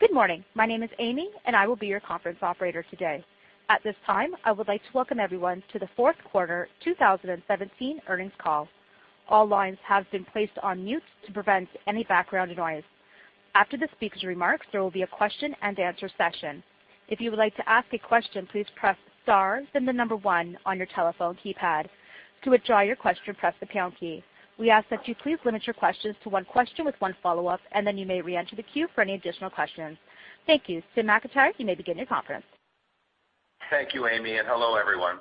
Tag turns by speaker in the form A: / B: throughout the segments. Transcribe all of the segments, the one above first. A: Good morning. My name is Amy, and I will be your conference operator today. At this time, I would like to welcome everyone to the fourth quarter 2017 earnings call. All lines have been placed on mute to prevent any background noise. After the speaker's remarks, there will be a question and answer session. If you would like to ask a question, please press star then the number one on your telephone keypad. To withdraw your question, press the pound key. We ask that you please limit your questions to one question with one follow-up, and then you may re-enter the queue for any additional questions. Thank you. Tim McIntyre, you may begin your conference.
B: Thank you, Amy, and hello, everyone.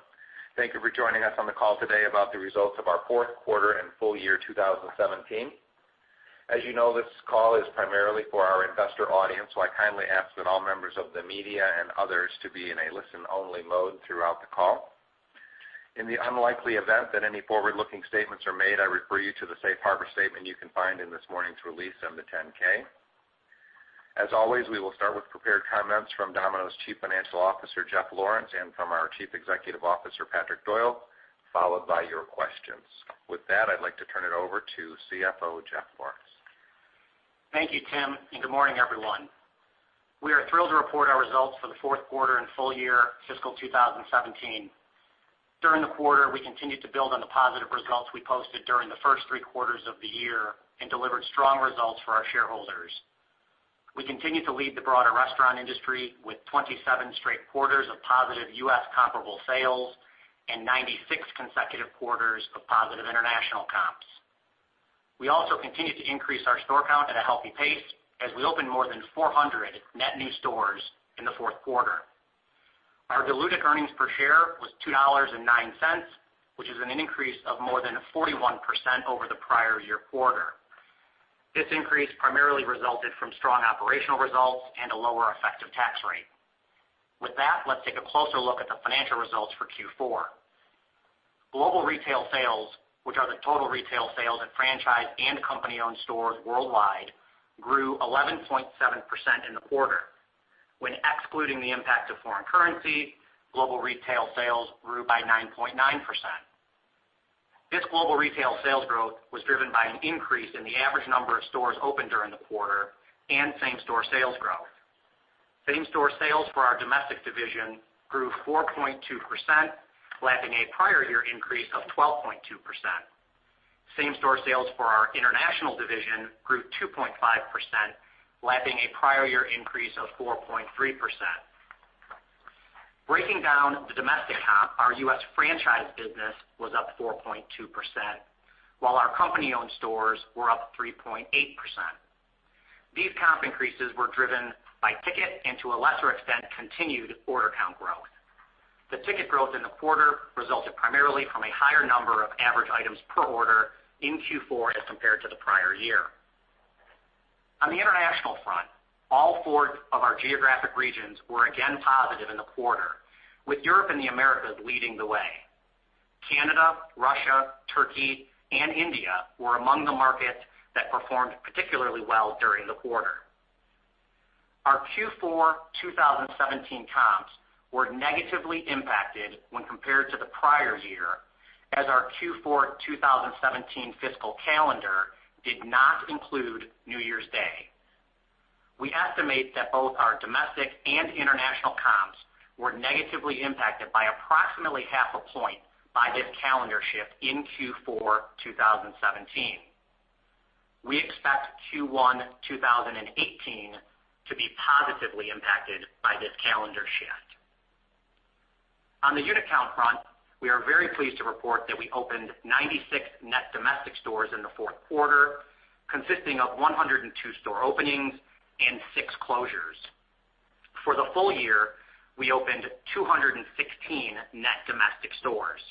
B: Thank you for joining us on the call today about the results of our fourth quarter and full year 2017. As you know, this call is primarily for our investor audience. I kindly ask that all members of the media and others to be in a listen-only mode throughout the call. In the unlikely event that any forward-looking statements are made, I refer you to the safe harbor statement you can find in this morning's release and the 10-K. As always, we will start with prepared comments from Domino's Chief Financial Officer, Jeff Lawrence, and from our Chief Executive Officer, Patrick Doyle, followed by your questions. With that, I'd like to turn it over to CFO Jeff Lawrence.
C: Thank you, Tim, and good morning, everyone. We are thrilled to report our results for the fourth quarter and full year fiscal 2017. During the quarter, we continued to build on the positive results we posted during the first three quarters of the year and delivered strong results for our shareholders. We continue to lead the broader restaurant industry with 27 straight quarters of positive U.S. comparable sales and 96 consecutive quarters of positive international comps. We also continued to increase our store count at a healthy pace as we opened more than 400 net new stores in the fourth quarter. Our diluted earnings per share was $2.09, which is an increase of more than 41% over the prior year quarter. This increase primarily resulted from strong operational results and a lower effective tax rate. With that, let's take a closer look at the financial results for Q4. Global retail sales, which are the total retail sales at franchise and company-owned stores worldwide, grew 11.7% in the quarter. When excluding the impact of foreign currency, global retail sales grew by 9.9%. This global retail sales growth was driven by an increase in the average number of stores opened during the quarter and same-store sales growth. Same-store sales for our domestic division grew 4.2%, lapping a prior year increase of 12.2%. Same-store sales for our international division grew 2.5%, lapping a prior year increase of 4.3%. Breaking down the domestic comp, our U.S. franchise business was up 4.2%, while our company-owned stores were up 3.8%. These comp increases were driven by ticket and to a lesser extent, continued order count growth. The ticket growth in the quarter resulted primarily from a higher number of average items per order in Q4 as compared to the prior year. On the international front, all 4 of our geographic regions were again positive in the quarter, with Europe and the Americas leading the way. Canada, Russia, Turkey, and India were among the markets that performed particularly well during the quarter. Our Q4 2017 comps were negatively impacted when compared to the prior year, as our Q4 2017 fiscal calendar did not include New Year's Day. We estimate that both our domestic and international comps were negatively impacted by approximately half a point by this calendar shift in Q4 2017. We expect Q1 2018 to be positively impacted by this calendar shift. On the unit count front, we are very pleased to report that we opened 96 net domestic stores in the fourth quarter, consisting of 102 store openings and 6 closures. For the full year, we opened 216 net domestic stores.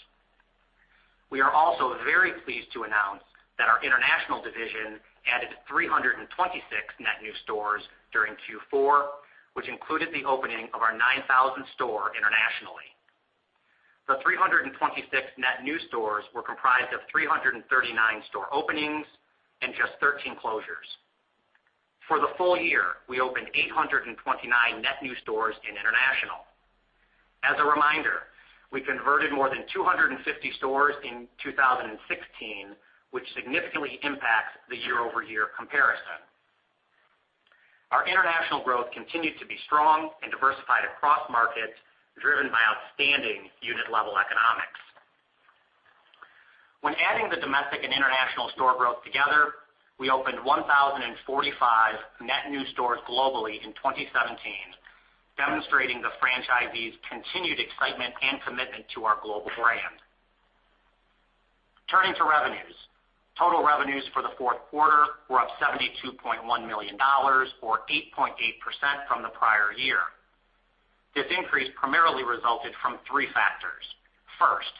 C: We are also very pleased to announce that our international division added 326 net new stores during Q4, which included the opening of our 9,000th store internationally. The 326 net new stores were comprised of 339 store openings and just 13 closures. For the full year, we opened 829 net new stores in international. As a reminder, we converted more than 250 stores in 2016, which significantly impacts the year-over-year comparison. Our international growth continued to be strong and diversified across markets, driven by outstanding unit-level economics. When adding the domestic and international store growth together, we opened 1,045 net new stores globally in 2017, demonstrating the franchisees' continued excitement and commitment to our global brand. Turning to revenues. Total revenues for the fourth quarter were up $72.1 million or 8.8% from the prior year. This increase primarily resulted from 3 factors. First,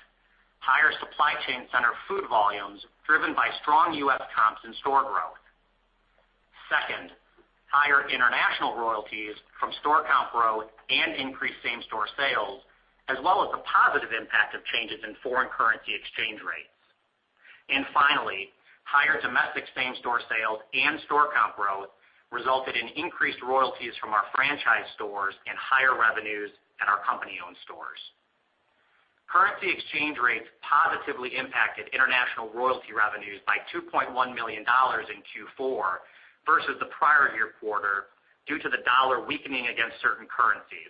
C: higher supply chain center food volumes driven by strong U.S. comps and store growth. Second, higher international royalties from store count growth and increased same-store sales, as well as the positive impact of changes in foreign currency exchange rates. Finally, higher domestic same-store sales and store count growth resulted in increased royalties from our franchise stores and higher revenues at our company-owned stores. Currency exchange rates positively impacted international royalty revenues by $2.1 million in Q4 versus the prior year quarter, due to the dollar weakening against certain currencies.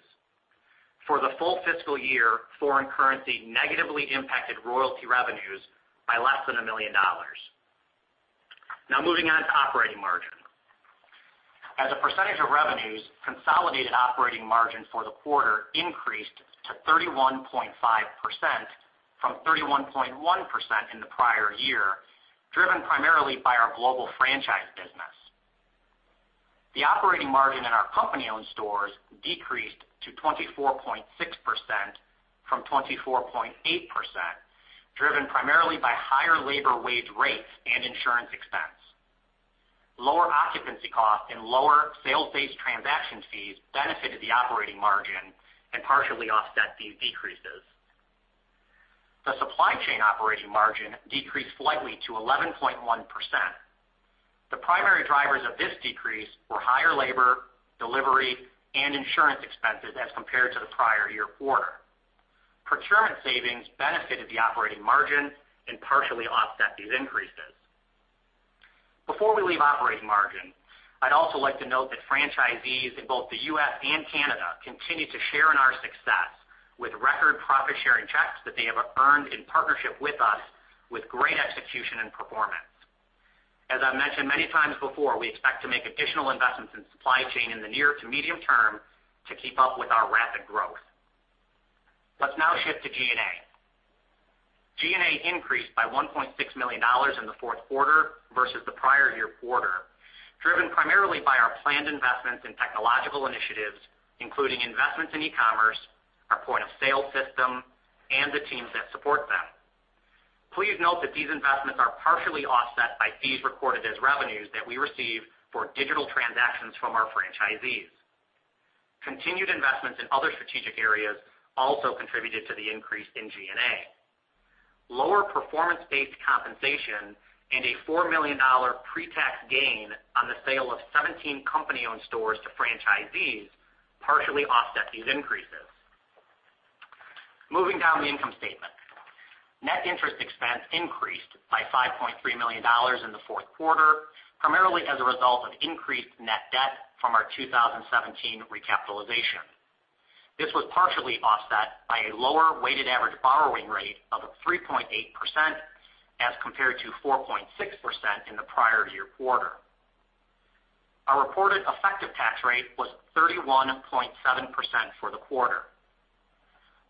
C: For the full fiscal year, foreign currency negatively impacted royalty revenues by less than $1 million. Now, moving on to operating margin. As a percentage of revenues, consolidated operating margin for the quarter increased to 31.5% from 31.1% in the prior year, driven primarily by our global franchise business. The operating margin in our company-owned stores decreased to 24.6% from 24.8%, driven primarily by higher labor wage rates and insurance expense. Lower occupancy costs and lower sales-based transaction fees benefited the operating margin and partially offset these decreases. The supply chain operating margin decreased slightly to 11.1%. The primary drivers of this decrease were higher labor, delivery, and insurance expenses as compared to the prior year quarter. Procurement savings benefited the operating margin and partially offset these increases. Before we leave operating margin, I'd also like to note that franchisees in both the U.S. and Canada continue to share in our success with record profit-sharing checks that they have earned in partnership with us, with great execution and performance. As I mentioned many times before, we expect to make additional investments in supply chain in the near to medium term to keep up with our rapid growth. Let's now shift to G&A. G&A increased by $1.6 million in the fourth quarter versus the prior year quarter, driven primarily by our planned investments in technological initiatives, including investments in e-commerce, our point-of-sale system, and the teams that support them. Please note that these investments are partially offset by fees recorded as revenues that we receive for digital transactions from our franchisees. Continued investments in other strategic areas also contributed to the increase in G&A. Lower performance-based compensation and a $4 million pre-tax gain on the sale of 17 company-owned stores to franchisees partially offset these increases. Moving down the income statement. Net interest expense increased by $5.3 million in the fourth quarter, primarily as a result of increased net debt from our 2017 recapitalization. This was partially offset by a lower weighted average borrowing rate of 3.8% as compared to 4.6% in the prior year quarter. Our reported effective tax rate was 31.7% for the quarter.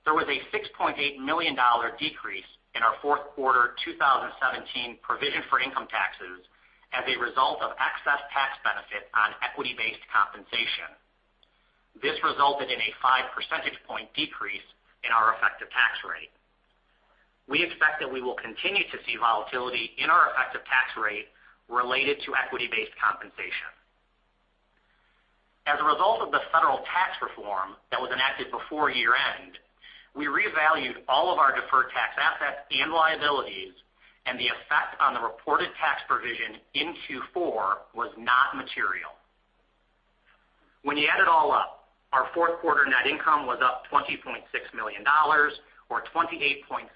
C: There was a $6.8 million decrease in our fourth quarter 2017 provision for income taxes as a result of excess tax benefit on equity-based compensation. This resulted in a five-percentage point decrease in our effective tax rate. We expect that we will continue to see volatility in our effective tax rate related to equity-based compensation. As a result of the federal tax reform that was enacted before year-end, we revalued all of our deferred tax assets and liabilities, and the effect on the reported tax provision in Q4 was not material. When you add it all up, our fourth quarter net income was up $20.6 million or 28.3%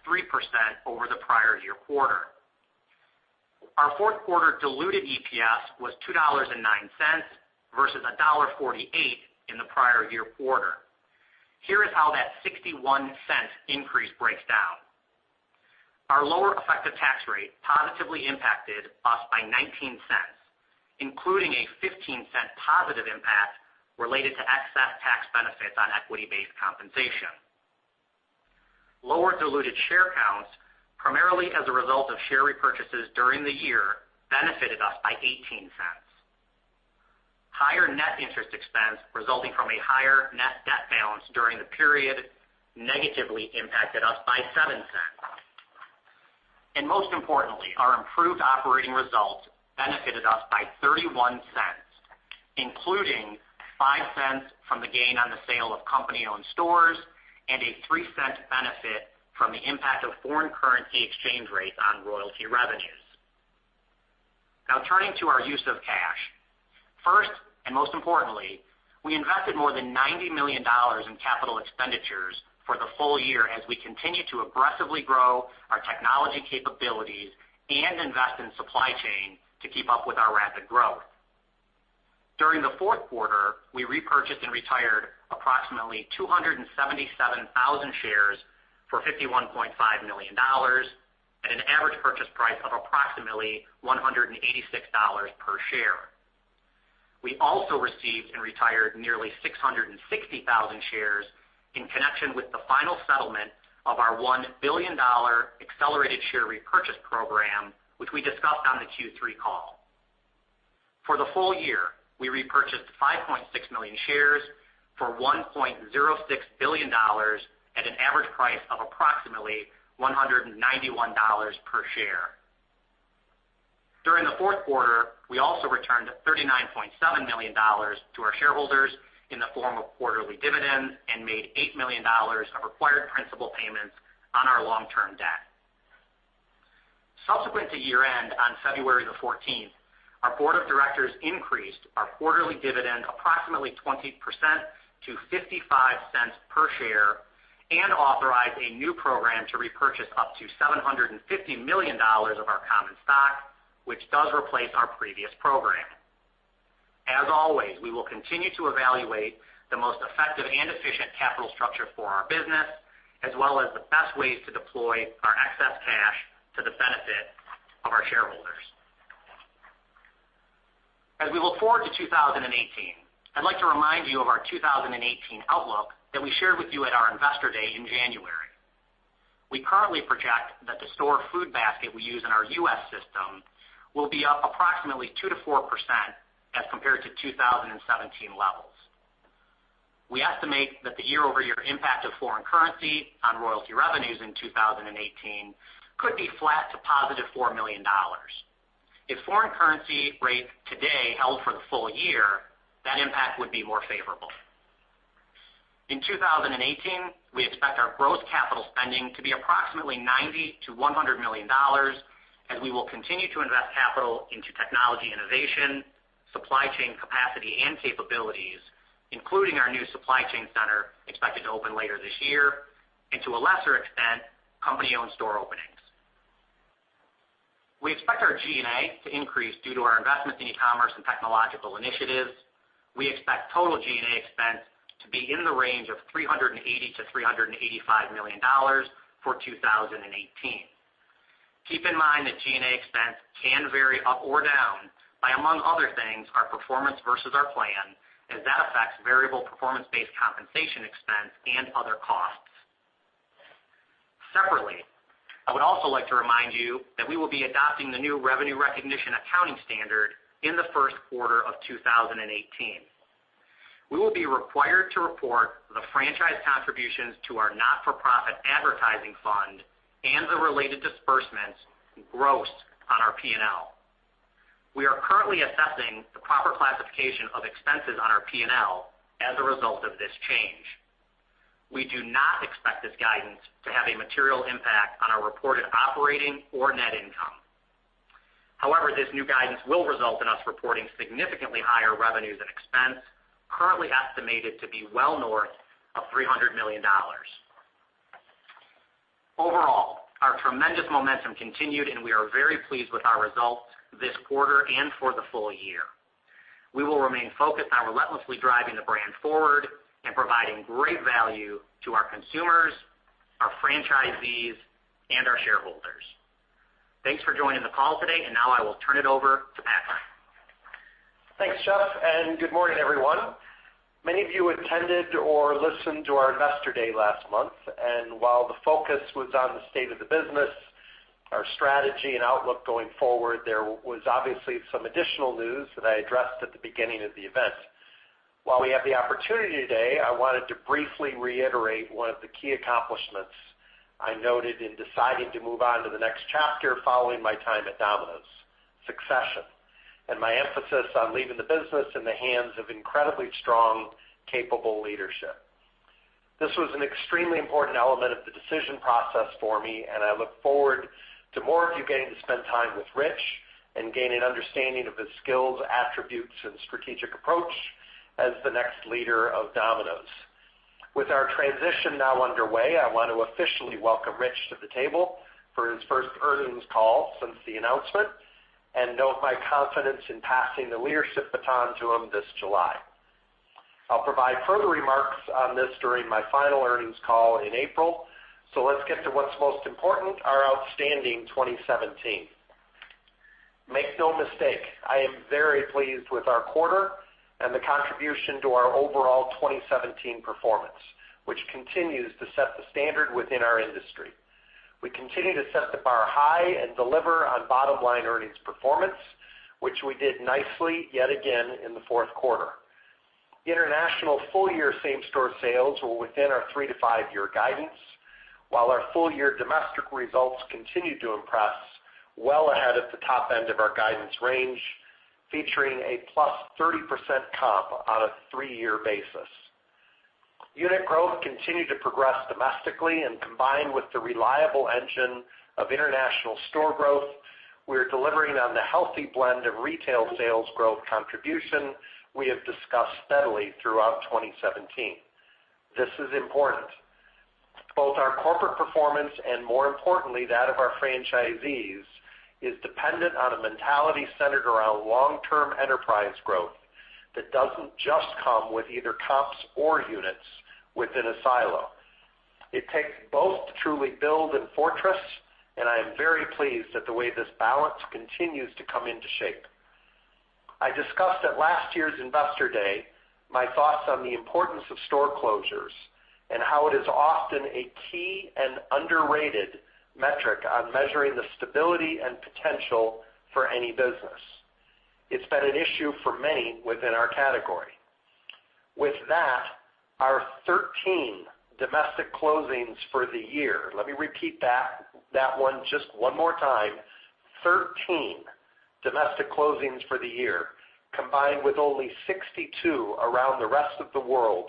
C: over the prior year quarter. Our fourth quarter diluted EPS was $2.09 versus $1.48 in the prior year quarter. Here is how that $0.61 increase breaks down. Our lower effective tax rate positively impacted us by $0.19, including a $0.15 positive impact related to excess tax benefits on equity-based compensation. Lower diluted share counts, primarily as a result of share repurchases during the year, benefited us by $0.18. Higher net interest expense resulting from a higher net debt balance during the period negatively impacted us by $0.07. Most importantly, our improved operating results benefited us by $0.31, including $0.05 from the gain on the sale of company-owned stores and a $0.03 benefit from the impact of foreign currency exchange rates on royalty revenues. Now turning to our use of cash. First, most importantly, we invested more than $90 million in capital expenditures for the full year as we continue to aggressively grow our technology capabilities and invest in supply chain to keep up with our rapid growth. During the fourth quarter, we repurchased and retired approximately 277,000 shares for $51.5 million at an average purchase price of approximately $186 per share. We also received and retired nearly 660,000 shares in connection with the final settlement of our $1 billion accelerated share repurchase program, which we discussed on the Q3 call. For the full year, we repurchased 5.6 million shares for $1.06 billion at an average price of approximately $191 per share. During the fourth quarter, we also returned $39.7 million to our shareholders in the form of quarterly dividends and made $8 million of required principal payments on our long-term debt. Subsequent to year-end on February 14th, our board of directors increased our quarterly dividend approximately 20% to $0.55 per share and authorized a new program to repurchase up to $750 million of our common stock, which does replace our previous program. As always, we will continue to evaluate the most effective and efficient capital structure for our business, as well as the best ways to deploy our excess cash to the benefit of our shareholders. As we look forward to 2018, I'd like to remind you of our 2018 outlook that we shared with you at our Investor Day in January. We currently project that the store food basket we use in our U.S. system will be up approximately 2%-4% as compared to 2017 levels. We estimate that the year-over-year impact of foreign currency on royalty revenues in 2018 could be flat to positive $4 million. If foreign currency rates today held for the full year, that impact would be more favorable. In 2018, we expect our gross capital spending to be approximately $90 million-$100 million as we will continue to invest capital into technology innovation, supply chain capacity and capabilities, including our new supply chain center expected to open later this year, and to a lesser extent, company-owned store openings. We expect our G&A to increase due to our investments in e-commerce and technological initiatives. We expect total G&A expense to be in the range of $380 million-$385 million for 2018. Keep in mind that G&A expense can vary up or down by, among other things, our performance versus our plan, as that affects variable performance-based compensation expense and other costs. Separately, I would also like to remind you that we will be adopting the new revenue recognition accounting standard in the first quarter of 2018. We will be required to report the franchise contributions to our not-for-profit advertising fund and the related disbursements gross on our P&L. We are currently assessing the proper classification of expenses on our P&L as a result of this change. We do not expect this guidance to have a material impact on our reported operating or net income. However, this new guidance will result in us reporting significantly higher revenues and expense, currently estimated to be well north of $300 million. Overall, our tremendous momentum continued, and we are very pleased with our results this quarter and for the full year. We will remain focused on relentlessly driving the brand forward and providing great value to our consumers, our franchisees, and our shareholders. Thanks for joining the call today, and now I will turn it over to Patrick.
D: Thanks, Jeff, and good morning, everyone. Many of you attended or listened to our Investor Day last month, and while the focus was on the state of the business, our strategy and outlook going forward, there was obviously some additional news that I addressed at the beginning of the event. While we have the opportunity today, I wanted to briefly reiterate one of the key accomplishments I noted in deciding to move on to the next chapter following my time at Domino's. Succession, and my emphasis on leaving the business in the hands of incredibly strong, capable leadership. This was an extremely important element of the decision process for me, and I look forward to more of you getting to spend time with Rich and gain an understanding of his skills, attributes, and strategic approach as the next leader of Domino's. With our transition now underway, I want to officially welcome Rich to the table for his first earnings call since the announcement and note my confidence in passing the leadership baton to him this July. I'll provide further remarks on this during my final earnings call in April. Let's get to what's most important, our outstanding 2017. Make no mistake, I am very pleased with our quarter and the contribution to our overall 2017 performance, which continues to set the standard within our industry. We continue to set the bar high and deliver on bottom-line earnings performance, which we did nicely yet again in the fourth quarter. International full-year same-store sales were within our three-to-five-year guidance, while our full-year domestic results continued to impress well ahead of the top end of our guidance range, featuring a +30% comp on a three-year basis. Unit growth continued to progress domestically, combined with the reliable engine of international store growth, we're delivering on the healthy blend of retail sales growth contribution we have discussed steadily throughout 2017. This is important. Both our corporate performance and, more importantly, that of our franchisees, is dependent on a mentality centered around long-term enterprise growth that doesn't just come with either comps or units within a silo. It takes both to truly build a fortress, and I am very pleased at the way this balance continues to come into shape. I discussed at last year's Investor Day my thoughts on the importance of store closures and how it is often a key and underrated metric on measuring the stability and potential for any business. It's been an issue for many within our category. With that, our 13 domestic closings for the year, let me repeat that one just one more time, 13 domestic closings for the year, combined with only 62 around the rest of the world,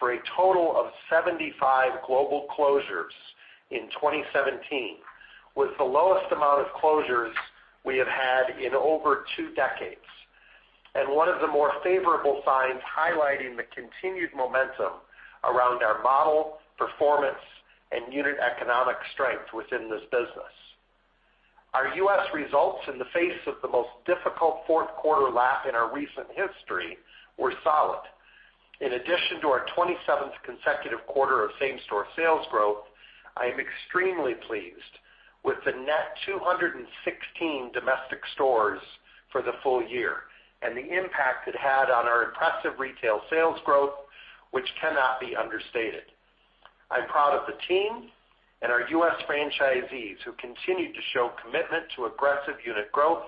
D: for a total of 75 global closures in 2017, was the lowest amount of closures we have had in over two decades, one of the more favorable signs highlighting the continued momentum around our model, performance, and unit economic strength within this business. Our U.S. results in the face of the most difficult fourth quarter lap in our recent history were solid. In addition to our 27th consecutive quarter of same-store sales growth, I am extremely pleased with the net 216 domestic stores for the full year, and the impact it had on our impressive retail sales growth, which cannot be understated. I'm proud of the team and our U.S. franchisees, who continue to show commitment to aggressive unit growth,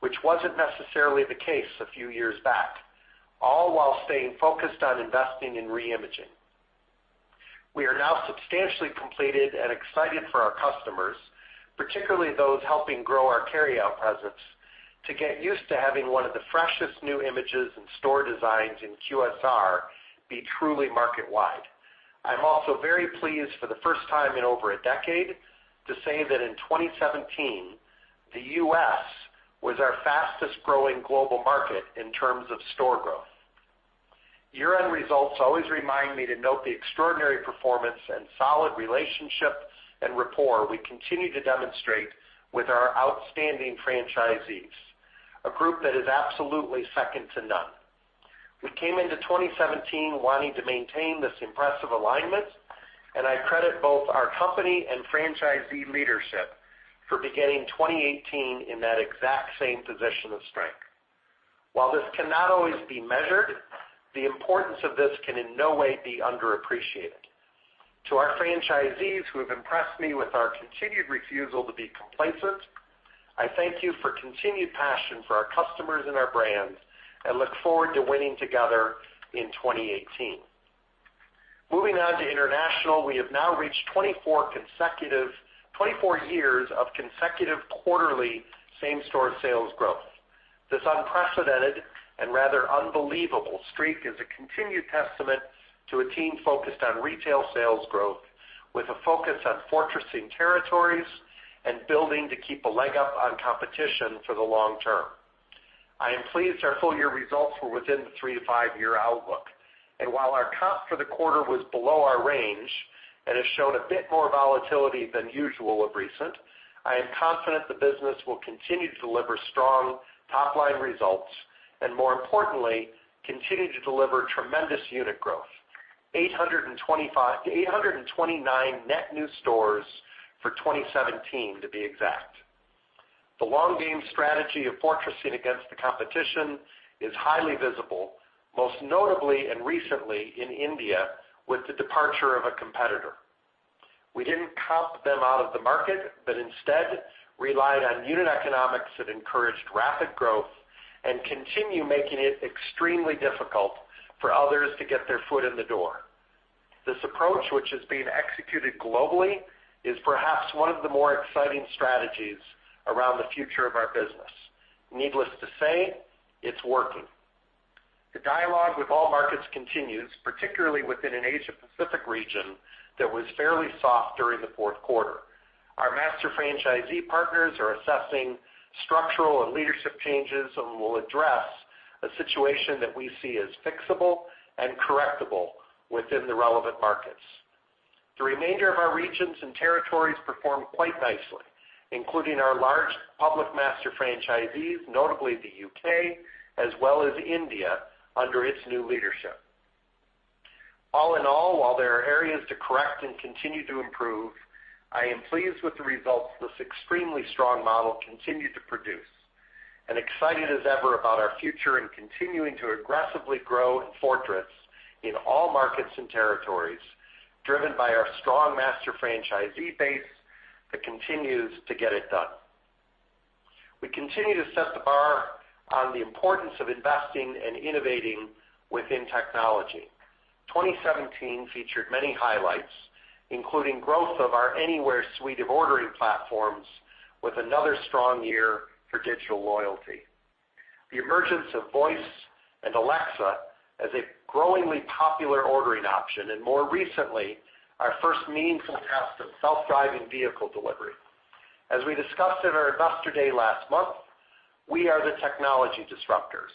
D: which wasn't necessarily the case a few years back, all while staying focused on investing in re-imaging. We are now substantially completed and excited for our customers, particularly those helping grow our carryout presence, to get used to having one of the freshest new images and store designs in QSR be truly market wide. I'm also very pleased for the first time in over a decade to say that in 2017, the U.S. was our fastest-growing global market in terms of store growth. Year-end results always remind me to note the extraordinary performance and solid relationship and rapport we continue to demonstrate with our outstanding franchisees, a group that is absolutely second to none. We came into 2017 wanting to maintain this impressive alignment, and I credit both our company and franchisee leadership for beginning 2018 in that exact same position of strength. While this cannot always be measured, the importance of this can in no way be underappreciated. To our franchisees who have impressed me with our continued refusal to be complacent, I thank you for continued passion for our customers and our brands, and look forward to winning together in 2018. Moving on to international, we have now reached 24 years of consecutive quarterly same-store sales growth. This unprecedented, and rather unbelievable streak is a continued testament to a team focused on retail sales growth, with a focus on fortressing territories and building to keep a leg up on competition for the long term. I am pleased our full-year results were within the three to five-year outlook. While our comp for the quarter was below our range, and has shown a bit more volatility than usual of recent, I am confident the business will continue to deliver strong top-line results, and more importantly, continue to deliver tremendous unit growth, 829 net new stores for 2017 to be exact. The long game strategy of fortressing against the competition is highly visible, most notably and recently in India with the departure of a competitor. We didn't comp them out of the market, but instead relied on unit economics that encouraged rapid growth and continue making it extremely difficult for others to get their foot in the door. This approach, which is being executed globally, is perhaps one of the more exciting strategies around the future of our business. Needless to say, it's working. The dialogue with all markets continues, particularly within an Asia-Pacific region that was fairly soft during the fourth quarter. Our master franchisee partners are assessing structural and leadership changes, and will address a situation that we see as fixable and correctable within the relevant markets. The remainder of our regions and territories performed quite nicely, including our large public master franchisees, notably the U.K., as well as India under its new leadership. All in all, while there are areas to correct and continue to improve, I am pleased with the results this extremely strong model continued to produce, and excited as ever about our future in continuing to aggressively grow and fortress in all markets and territories, driven by our strong master franchisee base that continues to get it done. We continue to set the bar on the importance of investing and innovating within technology. 2017 featured many highlights, including growth of our AnyWare suite of ordering platforms with another strong year for digital loyalty. The emergence of Voice and Alexa as a growingly popular ordering option, and more recently, our first meaningful test of self-driving vehicle delivery. As we discussed at our Investor Day last month, we are the technology disruptors.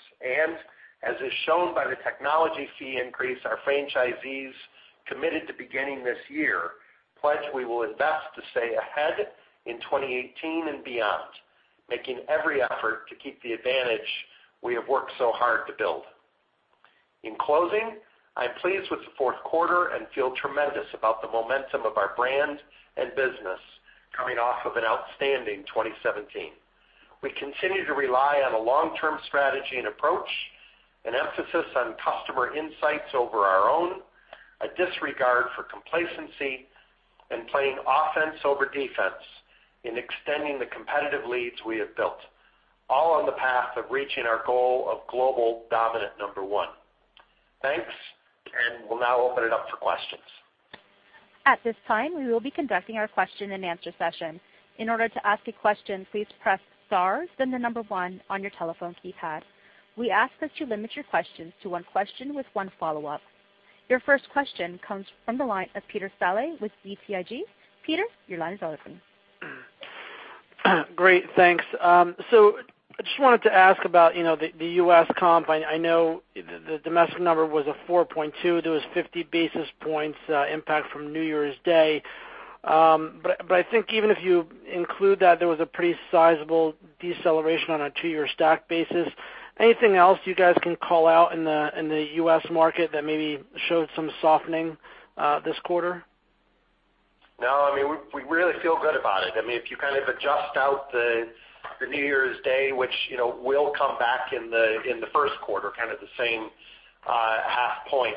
D: As is shown by the technology fee increase our franchisees committed to beginning this year, we pledge we will invest to stay ahead in 2018 and beyond, making every effort to keep the advantage we have worked so hard to build. In closing, I am pleased with the fourth quarter and feel tremendous about the momentum of our brand and business coming off of an outstanding 2017. We continue to rely on a long-term strategy and approach, an emphasis on customer insights over our own, a disregard for complacency, and playing offense over defense in extending the competitive leads we have built, all on the path of reaching our goal of global dominant number one. Thanks. We'll now open it up for questions.
A: At this time, we will be conducting our question and answer session. In order to ask a question, please press star then the number 1 on your telephone keypad. We ask that you limit your questions to one question with one follow-up. Your first question comes from the line of Peter Saleh with BTIG. Peter, your line is open.
E: Great. Thanks. I just wanted to ask about the U.S. comp. I know the domestic number was a 4.2%. There was 50 basis points impact from New Year's Day. I think even if you include that, there was a pretty sizable deceleration on a two-year stack basis. Anything else you guys can call out in the U.S. market that maybe showed some softening this quarter?
D: No, we really feel good about it. If you kind of adjust out the New Year's Day, which will come back in the first quarter, kind of the same half point,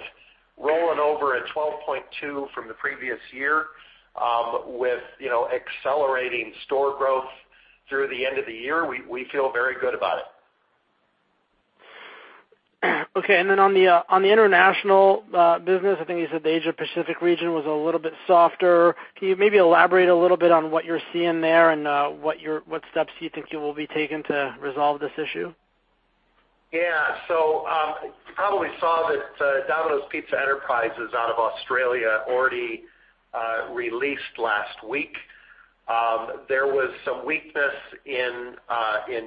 D: rolling over at 12.2% from the previous year, with accelerating store growth through the end of the year, we feel very good about it.
E: Okay. On the international business, I think you said the Asia Pacific region was a little bit softer. Can you maybe elaborate a little bit on what you're seeing there and what steps you think you will be taking to resolve this issue?
D: Yeah. You probably saw that Domino's Pizza Enterprises out of Australia already released last week. There was some weakness in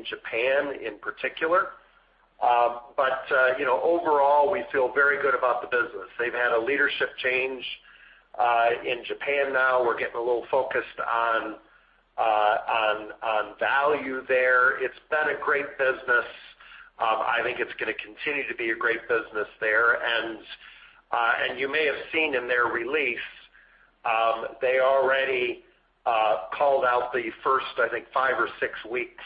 D: Japan in particular. Overall, we feel very good about the business. They've had a leadership change in Japan now. We're getting a little focused on value there. It's been a great business. I think it's going to continue to be a great business there. You may have seen in their release, they already called out the first, I think, five or six weeks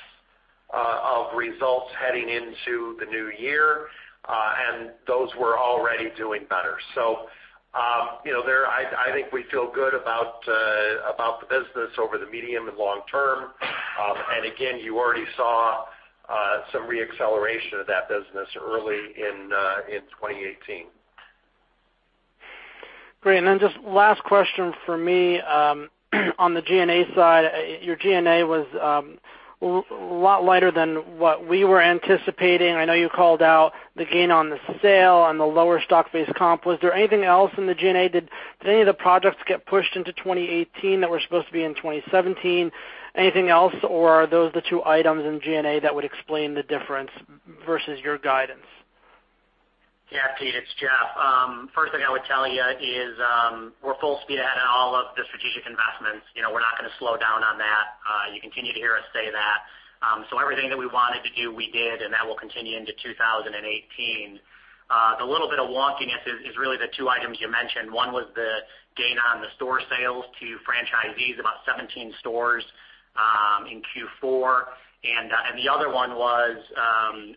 D: of results heading into the new year, and those were already doing better. I think we feel good about the business over the medium and long term. Again, you already saw some re-acceleration of that business early in 2018.
E: Great. Just last question from me. On the G&A side, your G&A was a lot lighter than what we were anticipating. I know you called out the gain on the sale and the lower stock-based comp. Was there anything else in the G&A? Did any of the projects get pushed into 2018 that were supposed to be in 2017? Anything else, or are those the two items in G&A that would explain the difference versus your guidance?
C: Yeah, Pete, it's Jeff. First thing I would tell you is we're full speed ahead on all of the strategic investments. We're not going to slow down on that. You continue to hear us say that. Everything that we wanted to do, we did, and that will continue into 2018. The little bit of wonkiness is really the two items you mentioned. One was the gain on the store sales to franchisees, about 17 stores, in Q4. The other one was,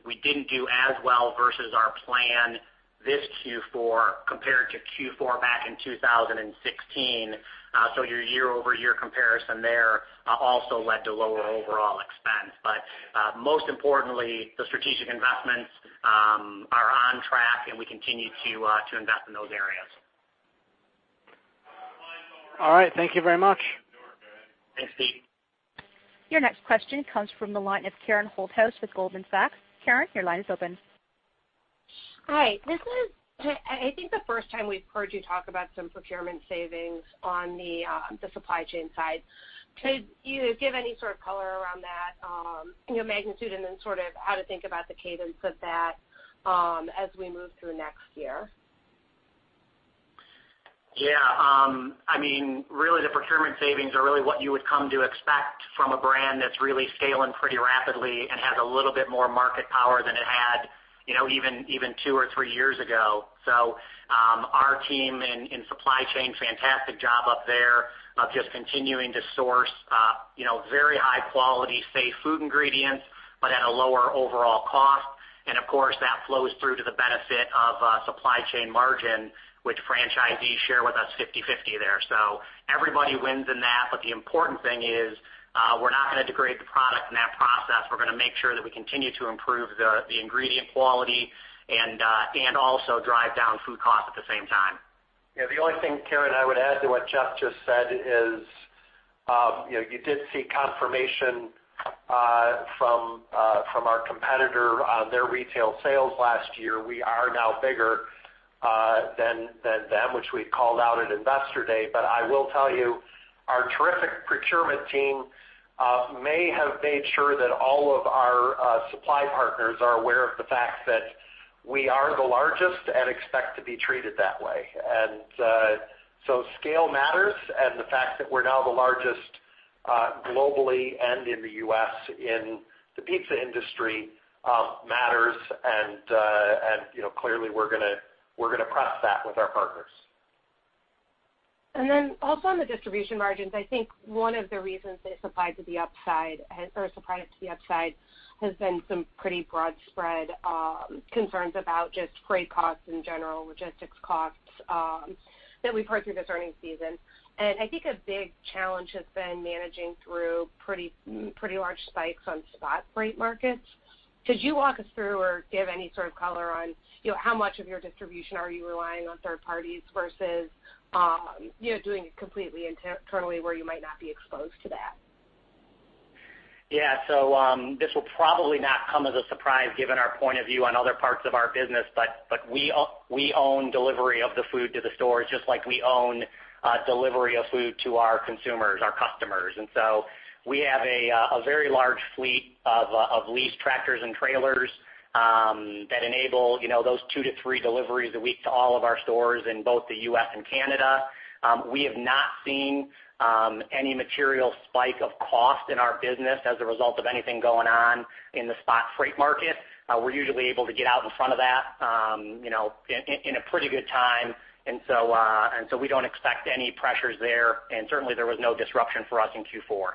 C: we didn't do as well versus our plan this Q4 compared to Q4 back in 2016. Your year-over-year comparison there also led to lower overall expense. Most importantly, the strategic investments are on track, and we continue to invest in those areas.
E: All right. Thank you very much.
C: Thanks, Pete.
A: Your next question comes from the line of Karen Holthouse with Goldman Sachs. Karen, your line is open.
F: Hi. This is, I think, the first time we've heard you talk about some procurement savings on the supply chain side. Could you give any sort of color around that, magnitude, and then how to think about the cadence of that as we move through next year?
C: Yeah. Really, the procurement savings are really what you would come to expect from a brand that's really scaling pretty rapidly and has a little bit more market power than it had even two or three years ago. Our team in supply chain, fantastic job up there of just continuing to source very high quality, safe food ingredients, but at a lower overall cost. Of course, that flows through to the benefit of supply chain margin, which franchisees share with us 50/50 there. Everybody wins in that, but the important thing is, we're not going to degrade the product in that process. We're going to make sure that we continue to improve the ingredient quality and also drive down food costs at the same time.
D: Yeah. The only thing, Karen, I would add to what Jeff just said is, you did see confirmation from our competitor on their retail sales last year. We are now bigger than them, which we called out at Investor Day. I will tell you, our terrific procurement team may have made sure that all of our supply partners are aware of the fact that we are the largest and expect to be treated that way. Scale matters, and the fact that we're now the largest globally and in the U.S. in the pizza industry matters, and clearly, we're going to press that with our partners.
F: Also on the distribution margins, I think one of the reasons they surprised to the upside has been some pretty broad spread concerns about just freight costs in general, logistics costs, that we've heard through this earnings season. I think a big challenge has been managing through pretty large spikes on spot freight markets. Could you walk us through or give any sort of color on how much of your distribution are you relying on third parties versus doing it completely internally where you might not be exposed to that?
C: Yeah. This will probably not come as a surprise given our point of view on other parts of our business, but we own delivery of the food to the stores, just like we own delivery of food to our consumers, our customers. We have a very large fleet of leased tractors and trailers that enable those two to three deliveries a week to all of our stores in both the U.S. and Canada. We have not seen any material spike of cost in our business as a result of anything going on in the spot freight market. We're usually able to get out in front of that in a pretty good time. We don't expect any pressures there, and certainly there was no disruption for us in Q4.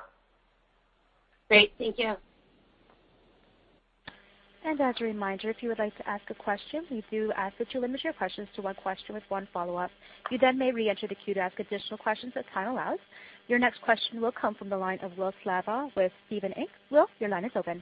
F: Great. Thank you.
A: As a reminder, if you would like to ask a question, we do ask that you limit your questions to one question with one follow-up. You then may reenter the queue to ask additional questions as time allows. Your next question will come from the line of Will Slabaugh with Stephens Inc.. Will, your line is open.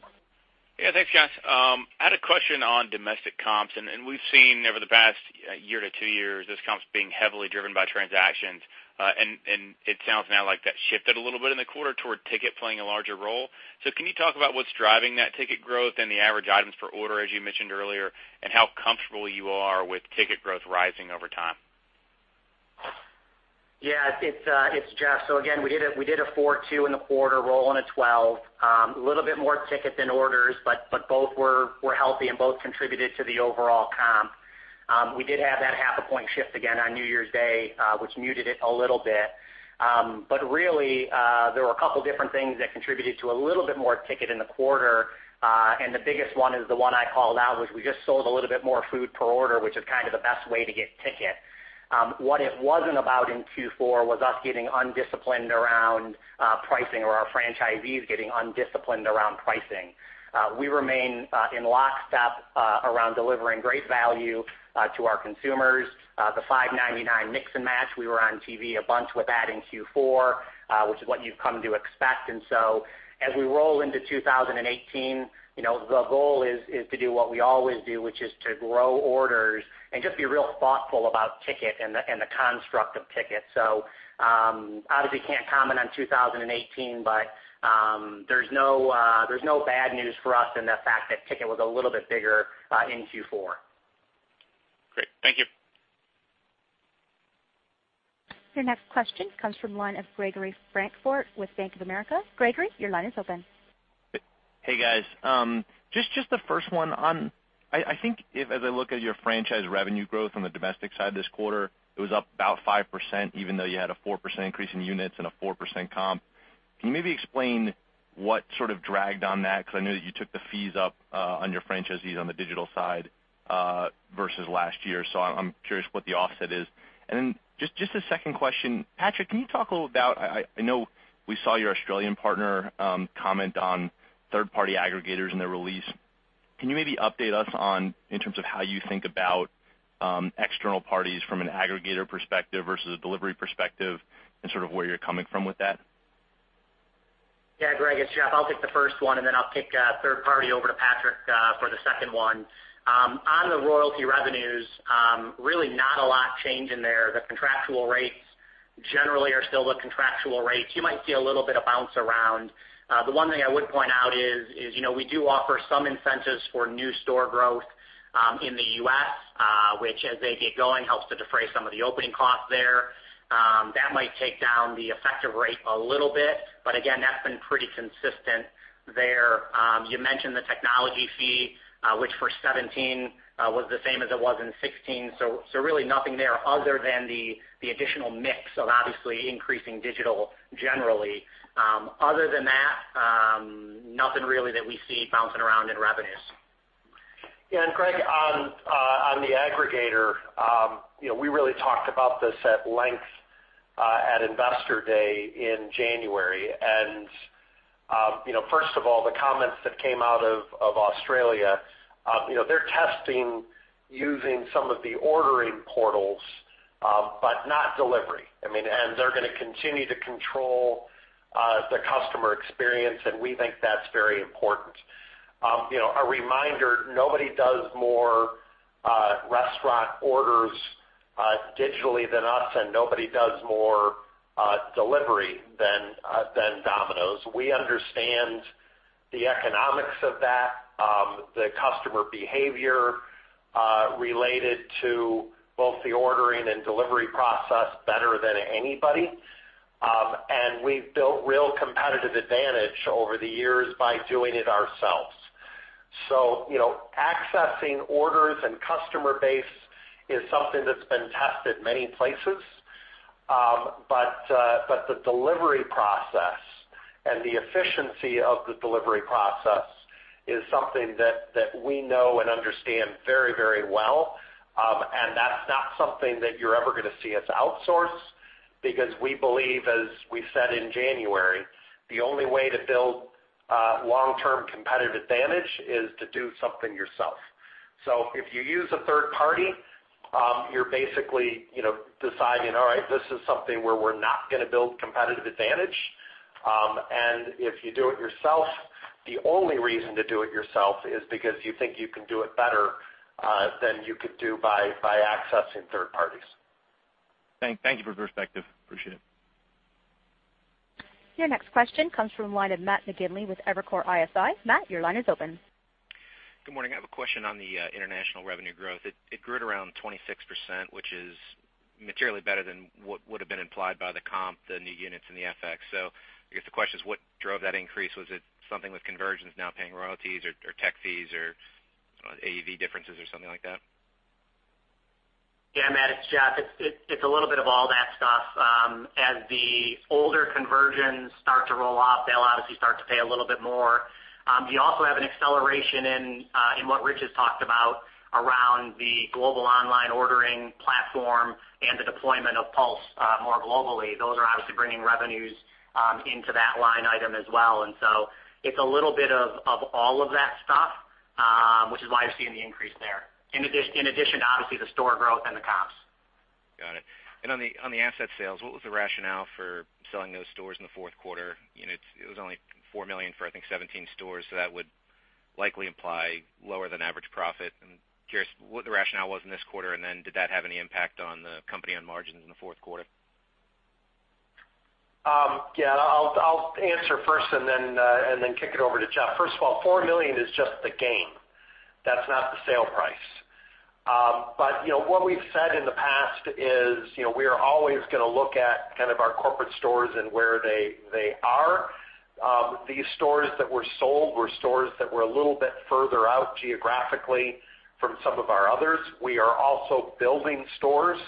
G: Thanks, guys. I had a question on domestic comps. We've seen over the past year to two years, this comp's being heavily driven by transactions. It sounds now like that shifted a little bit in the quarter toward ticket playing a larger role. Can you talk about what's driving that ticket growth and the average items per order, as you mentioned earlier, and how comfortable you are with ticket growth rising over time?
C: It's Jeff. Again, we did a 4.2 in the quarter roll on a 12. A little bit more ticket than orders, but both were healthy and both contributed to the overall comp. We did have that half a point shift again on New Year's Day, which muted it a little bit. Really, there were a couple different things that contributed to a little bit more ticket in the quarter. The biggest one is the one I called out, which we just sold a little bit more food per order, which is kind of the best way to get ticket. What it wasn't about in Q4 was us getting undisciplined around pricing or our franchisees getting undisciplined around pricing. We remain in lockstep around delivering great value to our consumers. The $5.99 mix and match, we were on TV a bunch with that in Q4, which is what you've come to expect. As we roll into 2018, the goal is to do what we always do, which is to grow orders and just be real thoughtful about ticket and the construct of ticket. Obviously can't comment on 2018, but there's no bad news for us in the fact that ticket was a little bit bigger in Q4.
G: Great. Thank you.
A: Your next question comes from the line of Gregory Francfort with Bank of America. Gregory, your line is open.
H: Hey, guys. Just the first one on, I think if as I look at your franchise revenue growth on the domestic side this quarter, it was up about 5%, even though you had a 4% increase in units and a 4% comp. Can you maybe explain what sort of dragged on that? Because I know that you took the fees up on your franchisees on the digital side versus last year. I'm curious what the offset is. Just a second question. Patrick, can you talk a little about, I know we saw your Australian partner comment on third-party aggregators in their release. Can you maybe update us on, in terms of how you think about external parties from an aggregator perspective versus a delivery perspective and sort of where you're coming from with that?
C: Yeah, Greg, it's Jeff. I'll take the first one, and then I'll kick third party over to Patrick for the second one. On the royalty revenues, really not a lot change in there. The contractual rates generally are still the contractual rates. You might see a little bit of bounce around. The one thing I would point out is we do offer some incentives for new store growth in the U.S., which as they get going, helps to defray some of the opening costs there. That might take down the effective rate a little bit. Again, that's been pretty consistent there. You mentioned the technology fee, which for 2017, was the same as it was in 2016. Really nothing there other than the additional mix of obviously increasing digital generally. Other than that, nothing really that we see bouncing around in revenues.
D: Yeah, Greg, on the aggregator, we really talked about this at length at Investor Day in January. First of all, the comments that came out of Australia. They're testing using some of the ordering portals, but not delivery. They're going to continue to control the customer experience, and we think that's very important. A reminder, nobody does more restaurant orders digitally than us, and nobody does more delivery than Domino's. We understand the economics of that, the customer behavior related to both the ordering and delivery process better than anybody. We've built real competitive advantage over the years by doing it ourselves. Accessing orders and customer base is something that's been tested many places. The delivery process and the efficiency of the delivery process is something that we know and understand very well. That's not something that you're ever going to see us outsource because we believe, as we said in January, the only way to build long-term competitive advantage is to do something yourself. If you use a third party, you're basically deciding, all right, this is something where we're not going to build competitive advantage. If you do it yourself, the only reason to do it yourself is because you think you can do it better than you could do by accessing third parties.
H: Thank you for the perspective. Appreciate it.
A: Your next question comes from the line of Matt McGinley with Evercore ISI. Matt, your line is open.
I: Good morning. I have a question on the international revenue growth. It grew at around 26%, which is materially better than what would've been implied by the comp, the new units, and the FX. I guess the question is what drove that increase? Was it something with conversions now paying royalties or tech fees or AAV differences or something like that?
C: Yeah, Matt, it's Jeff. It's a little bit of all that stuff. As the older conversions start to roll off, they'll obviously start to pay a little bit more. You also have an acceleration in what Rich has talked about around the global online ordering platform and the deployment of Pulse more globally. Those are obviously bringing revenues into that line item as well. It's a little bit of all of that stuff, which is why you're seeing the increase there. In addition, obviously, the store growth and the comps.
I: Got it. On the asset sales, what was the rationale for selling those stores in the fourth quarter? It was only $4 million for, I think, 17 stores, so that would likely imply lower than average profit. I'm curious what the rationale was in this quarter, and then did that have any impact on the company on margins in the fourth quarter?
D: I'll answer first and then kick it over to Jeff. First of all, $4 million is just the gain. That's not the sale price. What we've said in the past is we are always going to look at our corporate stores and where they are. These stores that were sold were stores that were a little bit further out geographically from some of our others. We are also building stores,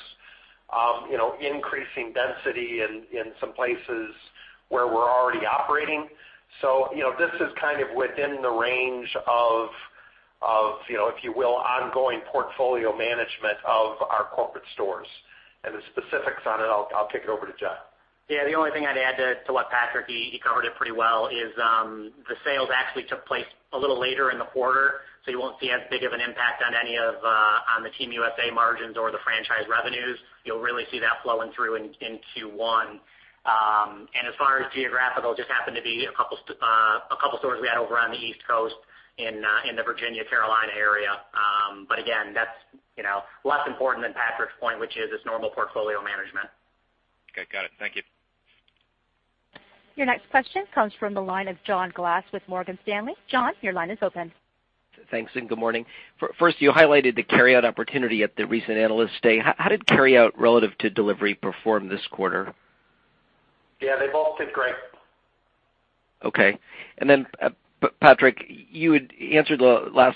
D: increasing density in some places where we're already operating. This is within the range of, if you will, ongoing portfolio management of our corporate stores. The specifics on it, I'll kick it over to Jeff.
C: Yeah, the only thing I'd add there to what Patrick, he covered it pretty well, is the sales actually took place a little later in the quarter, so you won't see as big of an impact on the U.S. margins or the franchise revenues. You'll really see that flowing through in Q1. As far as geographical, just happened to be a couple stores we had over on the East Coast in the Virginia, Carolina area. Again, that's less important than Patrick's point, which is it's normal portfolio management.
I: Okay, got it. Thank you.
A: Your next question comes from the line of John Glass with Morgan Stanley. John, your line is open.
J: Thanks, and good morning. First, you highlighted the carryout opportunity at the recent Analyst Day. How did carryout relative to delivery perform this quarter?
D: Yeah, they both did great.
J: Okay. Patrick, you had answered a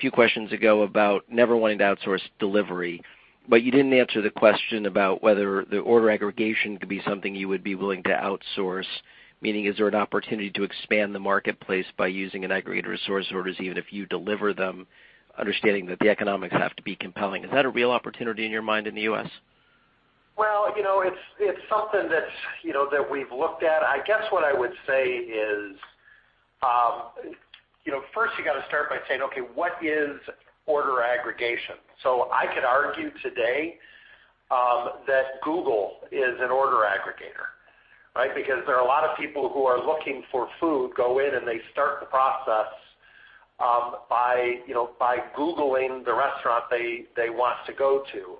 J: few questions ago about never wanting to outsource delivery, but you didn't answer the question about whether the order aggregation could be something you would be willing to outsource. Meaning, is there an opportunity to expand the marketplace by using an aggregator's source orders, even if you deliver them, understanding that the economics have to be compelling? Is that a real opportunity in your mind in the U.S.?
D: Well, it's something that we've looked at. I guess what I would say is first you got to start by saying, okay, what is order aggregation? I could argue today that Google is an order aggregator, right? Because there are a lot of people who are looking for food, go in, and they start the process by googling the restaurant they want to go to.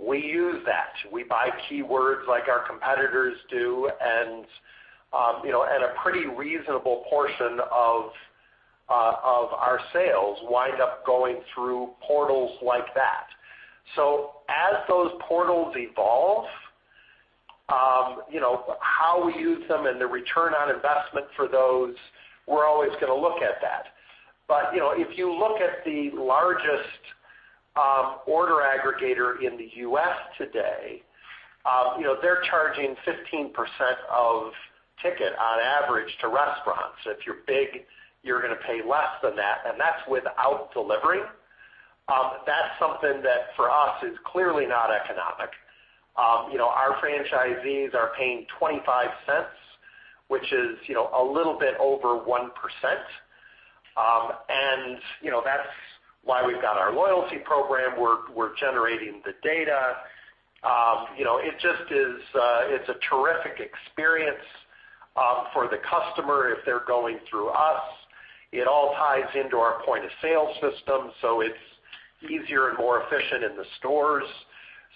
D: We use that. We buy keywords like our competitors do, and a pretty reasonable portion of our sales wind up going through portals like that. As those portals evolve, how we use them and the return on investment for those, we're always going to look at that. If you look at the largest order aggregator in the U.S. today, they're charging 15% of ticket on average to restaurants. If you're big, you're going to pay less than that, and that's without delivery. That's something that for us is clearly not economic. Our franchisees are paying $0.25, which is a little bit over 1%. That's why we've got our loyalty program. We're generating the data. It's a terrific experience for the customer if they're going through us. It all ties into our point-of-sale system, so it's easier and more efficient in the stores.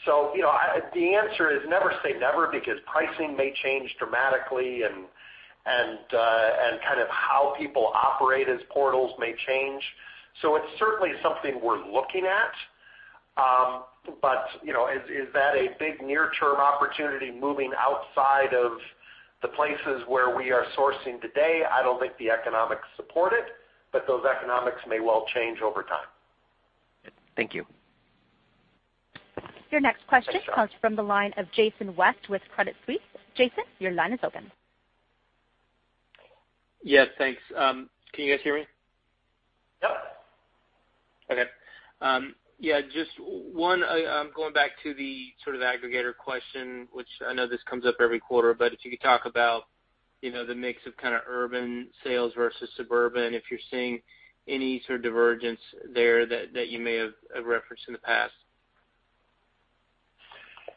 D: The answer is never say never because pricing may change dramatically, and how people operate as portals may change. It's certainly something we're looking at. Is that a big near-term opportunity moving outside of the places where we are sourcing today? I don't think the economics support it, but those economics may well change over time.
J: Thank you.
A: Your next question comes from the line of Jason West with Credit Suisse. Jason, your line is open.
K: Yes, thanks. Can you guys hear me?
D: Yep.
K: Okay. Yeah, just one. Going back to the aggregator question, which I know this comes up every quarter, if you could talk about the mix of urban sales versus suburban, if you're seeing any sort of divergence there that you may have referenced in the past.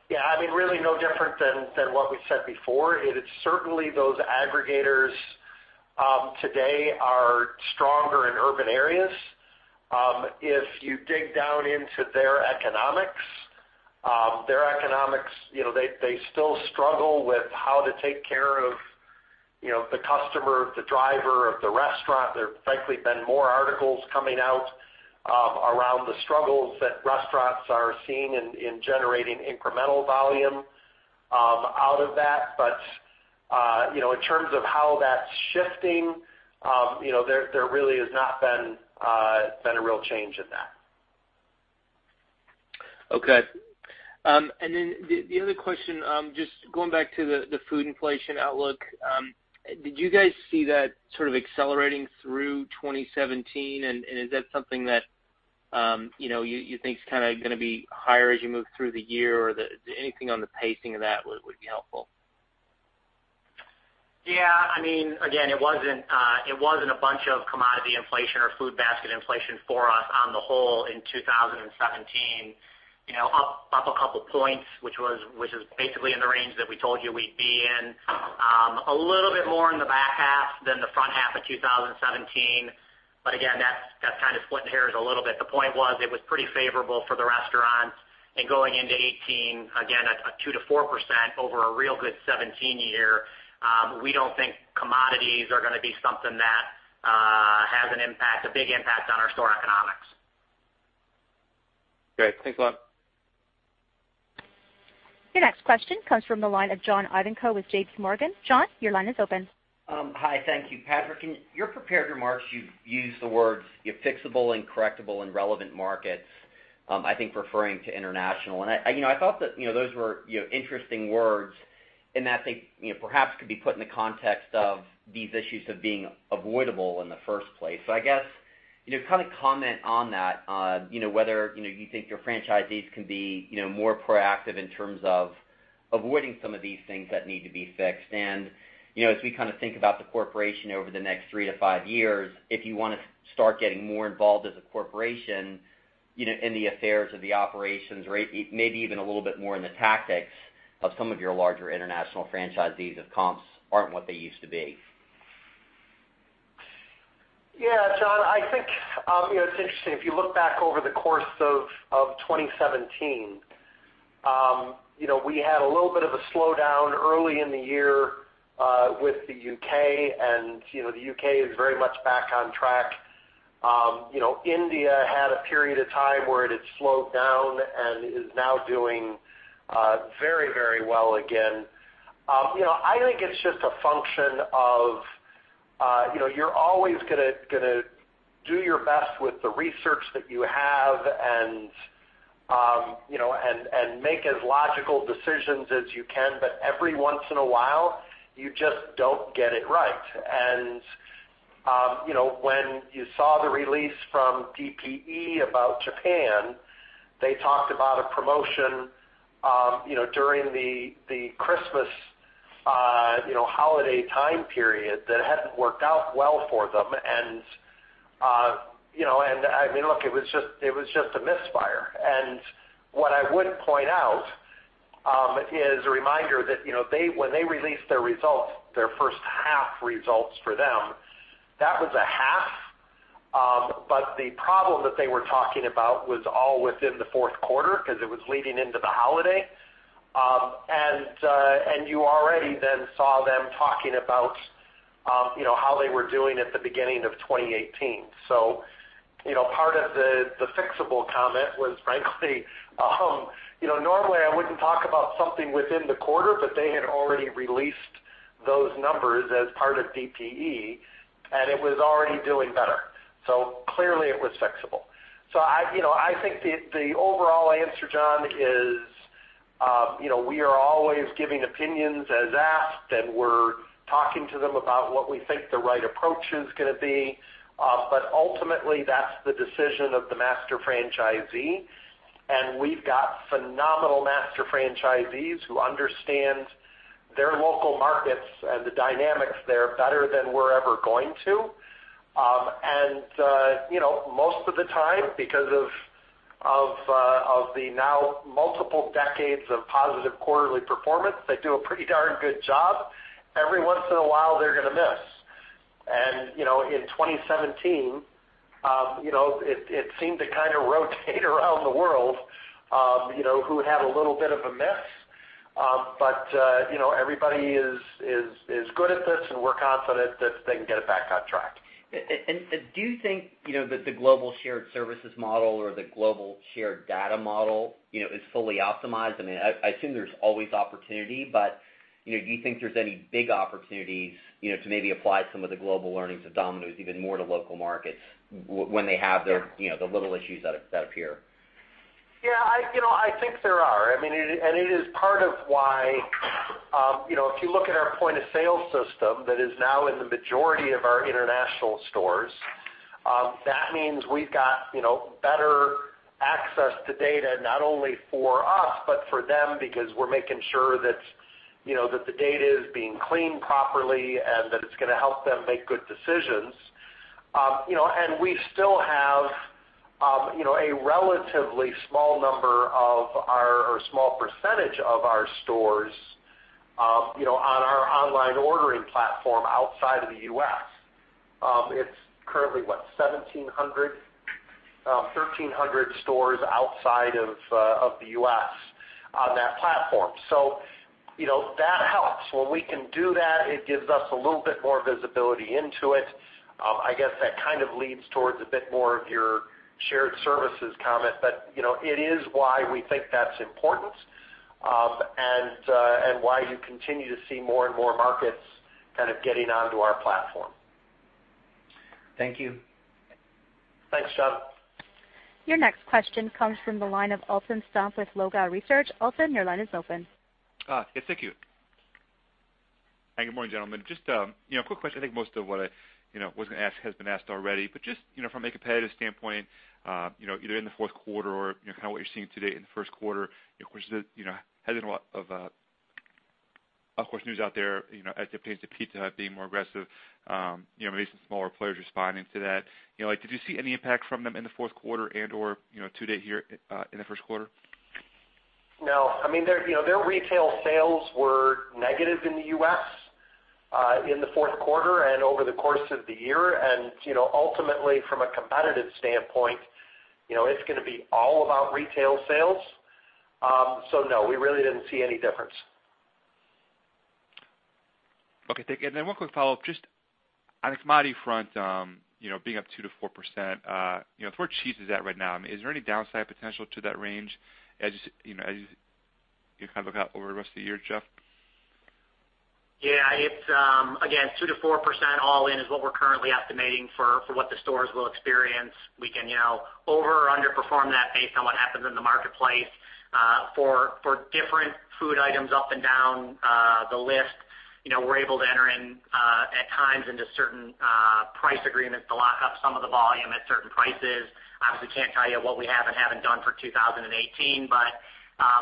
D: Yeah. I mean, really no different than what we've said before. It is certainly those aggregators Today are stronger in urban areas. If you dig down into their economics, they still struggle with how to take care of the customer, the driver of the restaurant. There have frankly been more articles coming out around the struggles that restaurants are seeing in generating incremental volume out of that. In terms of how that's shifting, there really has not been a real change in that.
K: Okay. The other question, just going back to the food inflation outlook, did you guys see that sort of accelerating through 2017? Is that something that you think is going to be higher as you move through the year? Anything on the pacing of that would be helpful.
C: Yeah. Again, it wasn't a bunch of commodity inflation or food basket inflation for us on the whole in 2017. Up a couple points, which was basically in the range that we told you we'd be in. A little bit more in the back half than the front half of 2017. Again, that's kind of splitting hairs a little bit. The point was, it was pretty favorable for the restaurants. Going into 2018, again, a 2%-4% over a real good 2017 year. We don't think commodities are going to be something that has a big impact on our store economics.
K: Great. Thanks a lot.
A: Your next question comes from the line of John Ivankoe with JPMorgan. John, your line is open.
L: Hi, thank you. Patrick, in your prepared remarks, you used the words fixable and correctable and relevant markets, I think referring to international. I thought that those were interesting words, and that they perhaps could be put in the context of these issues of being avoidable in the first place. I guess, kind of comment on that, whether you think your franchisees can be more proactive in terms of avoiding some of these things that need to be fixed. As we think about the corporation over the next three to five years, if you want to start getting more involved as a corporation in the affairs of the operations or maybe even a little bit more in the tactics of some of your larger international franchisees if comps aren't what they used to be.
D: John, I think it's interesting. If you look back over the course of 2017, we had a little bit of a slowdown early in the year with the U.K., and the U.K. is very much back on track. India had a period of time where it had slowed down and is now doing very well again. I think it's just a function of you're always going to do your best with the research that you have and make as logical decisions as you can. Every once in a while, you just don't get it right. When you saw the release from DPE about Japan, they talked about a promotion during the Christmas holiday time period that hadn't worked out well for them. Look, it was just a misfire. What I would point out is a reminder that when they released their results, their first half results for them, that was a half. The problem that they were talking about was all within the fourth quarter because it was leading into the holiday. You already then saw them talking about how they were doing at the beginning of 2018. Part of the fixable comment was frankly normally I wouldn't talk about something within the quarter, but they had already released those numbers as part of DPE, and it was already doing better. Clearly it was fixable. I think the overall answer, John, is we are always giving opinions as asked, and we're talking to them about what we think the right approach is going to be. Ultimately, that's the decision of the master franchisee, and we've got phenomenal master franchisees who understand their local markets and the dynamics there better than we're ever going to. Most of the time, because of the now multiple decades of positive quarterly performance, they do a pretty darn good job. Every once in a while, they're going to miss. In 2017, it seemed to kind of rotate around the world, who would have a little bit of a miss. Everybody is good at this, and we're confident that they can get it back on track.
L: Do you think that the global shared services model or the global shared data model is fully optimized? I assume there's always opportunity, but do you think there's any big opportunities to maybe apply some of the global learnings of Domino's even more to local markets when they have the little issues that appear?
C: Yeah, I think there are. It is part of why, if you look at our point-of-sale system that is now in the majority of our international stores, that means we've got better access to data not only for us but for them because we're making sure that the data is being cleaned properly and that it's going to help them make good decisions.
D: We still have a relatively small percentage of our stores on our online ordering platform outside of the U.S. It's currently what, 1,700? 1,300 stores outside of the U.S. on that platform. That helps. When we can do that, it gives us a little bit more visibility into it. I guess that kind of leads towards a bit more of your shared services comment, but it is why we think that's important, and why you continue to see more and more markets kind of getting onto our platform.
L: Thank you.
D: Thanks, Chuck.
A: Your next question comes from the line of Alton Stump with Longbow Research. Alton, your line is open.
M: Yes, thank you. Hi, good morning, gentlemen. Just a quick question. I think most of what I was going to ask has been asked already, but just from a competitive standpoint either in the fourth quarter or kind of what you're seeing to date in the first quarter, of course, there has been a lot of news out there as it pertains to Pizza Hut being more aggressive, maybe some smaller players responding to that. Did you see any impact from them in the fourth quarter and/or to date here in the first quarter?
D: No. Their retail sales were negative in the U.S. in the fourth quarter and over the course of the year. Ultimately from a competitive standpoint, it's going to be all about retail sales. No, we really didn't see any difference.
M: Okay, thank you. Then one quick follow-up, just on the commodity front being up 2%-4%, where cheese is at right now, is there any downside potential to that range as you kind of look out over the rest of the year, Jeff?
C: Yeah. Again, 2%-4% all-in is what we're currently estimating for what the stores will experience. We can over or underperform that based on what happens in the marketplace for different food items up and down the list. We're able to enter in at times into certain price agreements to lock up some of the volume at certain prices. Obviously, can't tell you what we have and haven't done for 2018.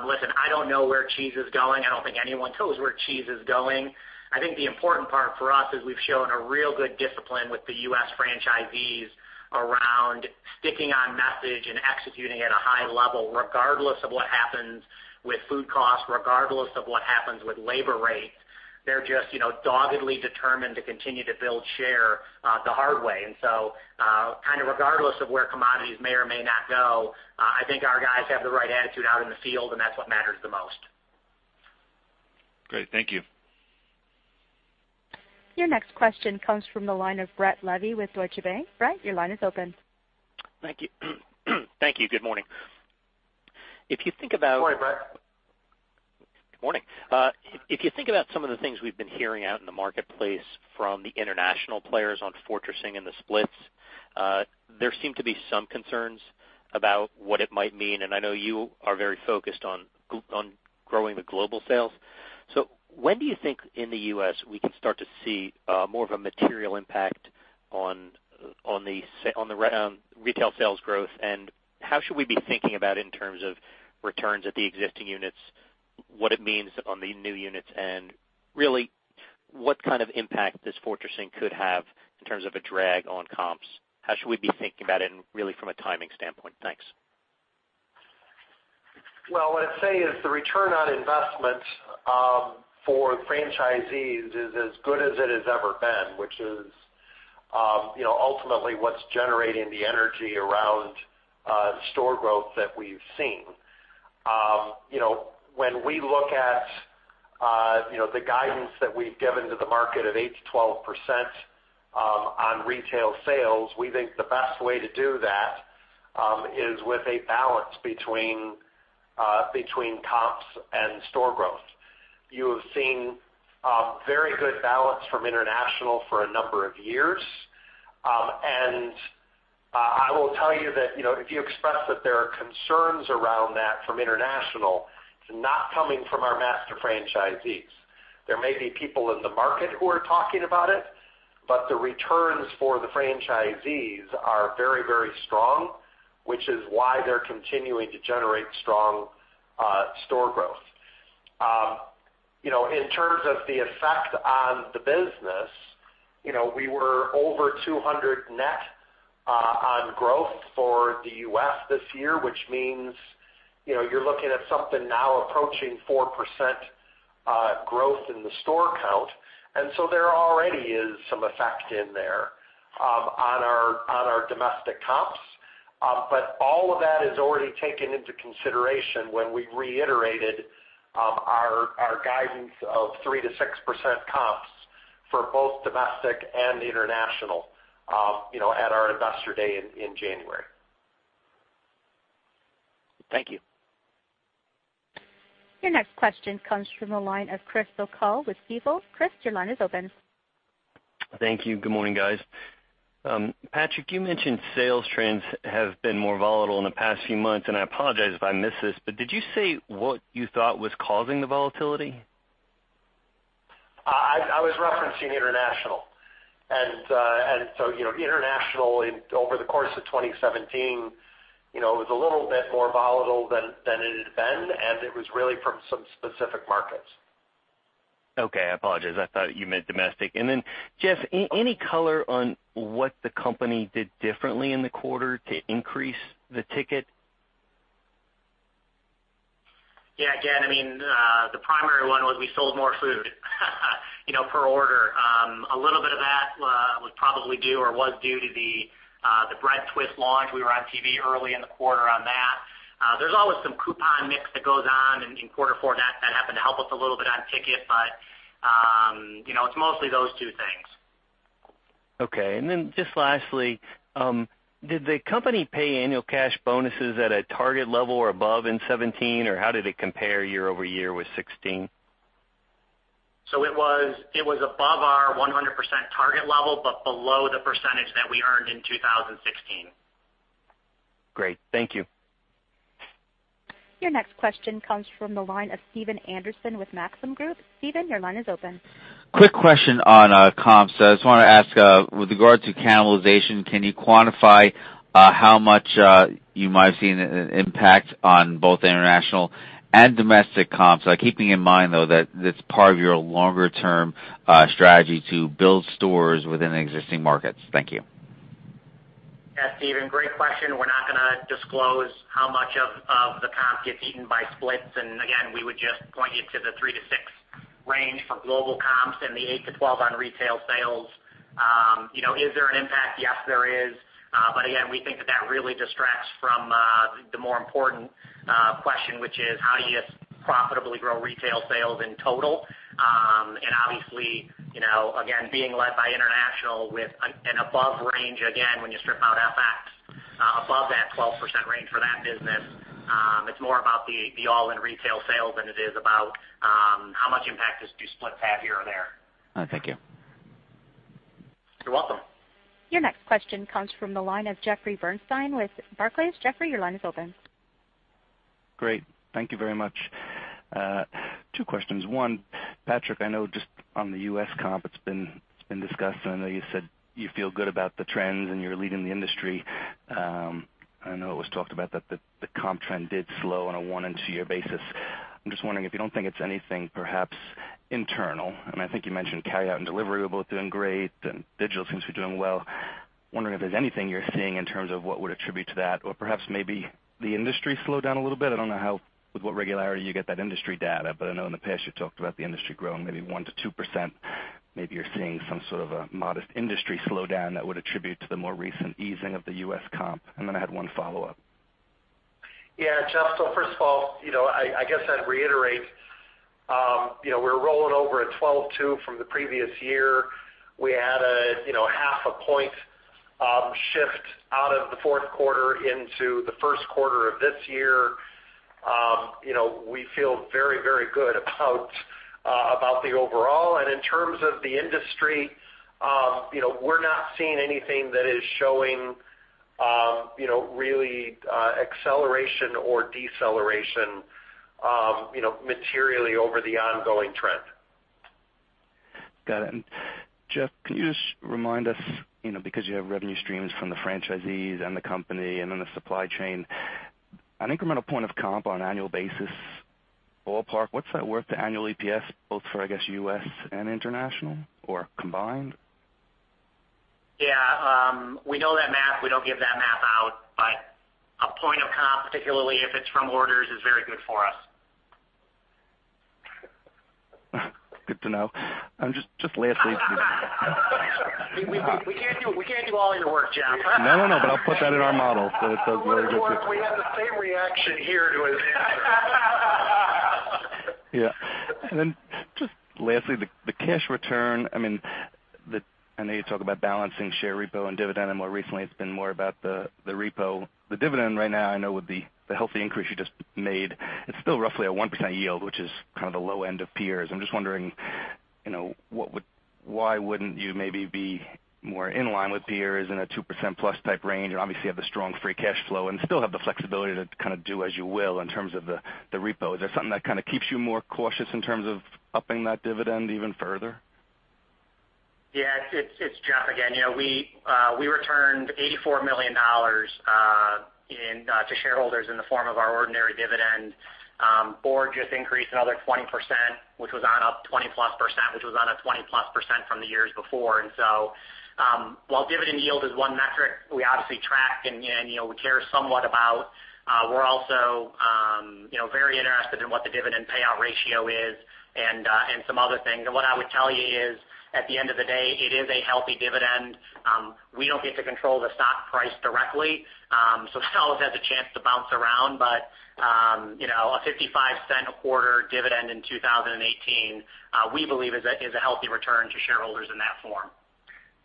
C: Listen, I don't know where cheese is going. I don't think anyone knows where cheese is going. I think the important part for us is we've shown a real good discipline with the U.S. franchisees around sticking on message and executing at a high level, regardless of what happens with food costs, regardless of what happens with labor rates. They're just doggedly determined to continue to build share the hard way. Kind of regardless of where commodities may or may not go, I think our guys have the right attitude out in the field, and that's what matters the most.
M: Great. Thank you.
A: Your next question comes from the line of Brett Levy with Deutsche Bank. Brett, your line is open.
N: Thank you. Thank you. Good morning.
D: Good morning, Brett.
N: Good morning. If you think about some of the things we've been hearing out in the marketplace from the international players on fortressing and the splits, there seem to be some concerns about what it might mean, I know you are very focused on growing the global sales. When do you think in the U.S. we can start to see more of a material impact on the retail sales growth, and how should we be thinking about it in terms of returns at the existing units, what it means on the new units, and really what kind of impact this fortressing could have in terms of a drag on comps? How should we be thinking about it and really from a timing standpoint? Thanks.
D: Well, what I'd say is the return on investment for franchisees is as good as it has ever been, which is ultimately what's generating the energy around store growth that we've seen. When we look at the guidance that we've given to the market of 8%-12% on retail sales, we think the best way to do that is with a balance between comps and store growth. You have seen a very good balance from international for a number of years. I will tell you that if you express that there are concerns around that from international, it's not coming from our master franchisees. There may be people in the market who are talking about it, the returns for the franchisees are very, very strong, which is why they're continuing to generate strong store growth. In terms of the effect on the business, we were over 200 net on growth for the U.S. this year, which means you're looking at something now approaching 4% growth in the store count. There already is some effect in there on our domestic comps. All of that is already taken into consideration when we reiterated our guidance of 3%-6% comps for both domestic and international at our investor day in January.
N: Thank you.
A: Your next question comes from the line of Chris O’Cull with Stifel. Chris, your line is open.
O: Thank you. Good morning, guys. Patrick, you mentioned sales trends have been more volatile in the past few months, I apologize if I missed this, did you say what you thought was causing the volatility?
D: I was referencing international. International over the course of 2017 was a little bit more volatile than it had been, and it was really from some specific markets.
O: Okay, I apologize. I thought you meant domestic. Jeff, any color on what the company did differently in the quarter to increase the ticket?
C: Yeah, Dan, the primary one was we sold more food per order. A little bit of that was probably due, or was due to the Bread Twists launch. We were on TV early in the quarter on that. There's always some coupon mix that goes on in quarter four. That happened to help us a little bit on ticket, but it's mostly those two things.
O: Okay. Just lastly, did the company pay annual cash bonuses at a target level or above in 2017, or how did it compare year-over-year with 2016?
C: It was above our 100% target level, but below the percentage that we earned in 2016.
O: Great. Thank you.
A: Your next question comes from the line of Stephen Anderson with Maxim Group. Stephen, your line is open.
P: Quick question on comps. I just want to ask, with regard to cannibalization, can you quantify how much you might have seen an impact on both international and domestic comps? Keeping in mind, though, that it's part of your longer-term strategy to build stores within the existing markets. Thank you.
C: Yeah, Stephen. Great question. We're not going to disclose how much of the comp gets eaten by splits, and again, we would just point you to the 3%-6% range for global comps and the 8%-12% on retail sales. Is there an impact? Yes, there is. But again, we think that that really distracts from the more important question, which is how do you profitably grow retail sales in total? And obviously, again, being led by international with an above range, again, when you strip out FX, above that 12% range for that business. It's more about the all-in retail sales than it is about how much impact do splits have here or there.
P: All right, thank you.
C: You're welcome.
A: Your next question comes from the line of Jeffrey Bernstein with Barclays. Jeffrey, your line is open.
Q: Great. Thank you very much. Two questions. One, Patrick, I know just on the U.S. comp, it's been discussed, and I know you said you feel good about the trends, and you're leading the industry. I know it was talked about that the comp trend did slow on a one- and two-year basis. I'm just wondering if you don't think it's anything perhaps internal. I think you mentioned carryout and delivery were both doing great, and digital seems to be doing well. I'm wondering if there's anything you're seeing in terms of what would attribute to that or perhaps maybe the industry slowed down a little bit. I don't know with what regularity you get that industry data, but I know in the past you talked about the industry growing maybe 1%-2%. Maybe you're seeing some sort of a modest industry slowdown that would attribute to the more recent easing of the U.S. comp. I had one follow-up.
D: Yeah, Jeff, first of all, I guess I'd reiterate, we're rolling over at 12.2 from the previous year. We had a half a point shift out of the fourth quarter into the first quarter of this year. We feel very good about the overall, in terms of the industry, we're not seeing anything that is showing really acceleration or deceleration materially over the ongoing trend.
Q: Got it. Jeff, can you just remind us, because you have revenue streams from the franchisees and the company and then the supply chain, an incremental point of comp on an annual basis, ballpark, what's that worth to annual EPS, both for, I guess, U.S. and international or combined?
C: Yeah. We know that math. We don't give that math out, but a point of comp, particularly if it's from orders, is very good for us.
Q: Good to know. Just lastly.
C: We can't do all your work, Jeff.
Q: No, but I'll put that in our model. It does very good.
D: We had the same reaction here to his answer.
Q: Yeah. Just lastly, the cash return. I know you talk about balancing share repo and dividend, and more recently it's been more about the repo. The dividend right now, I know with the healthy increase you just made, it's still roughly a 1% yield, which is kind of the low end of peers. I'm just wondering, why wouldn't you maybe be more in line with peers in a 2% plus type range and obviously have the strong free cash flow and still have the flexibility to do as you will in terms of the repo? Is there something that kind of keeps you more cautious in terms of upping that dividend even further?
C: Yeah. It's Jeff again. We returned $84 million to shareholders in the form of our ordinary dividend. Board just increased another 20%, which was on a 20-plus percent from the years before. While dividend yield is one metric we obviously track and we care somewhat about, we're also very interested in what the dividend payout ratio is and some other things. At the end of the day, it is a healthy dividend. We don't get to control the stock price directly, so that always has a chance to bounce around. A $0.55 a quarter dividend in 2018, we believe is a healthy return to shareholders in that form.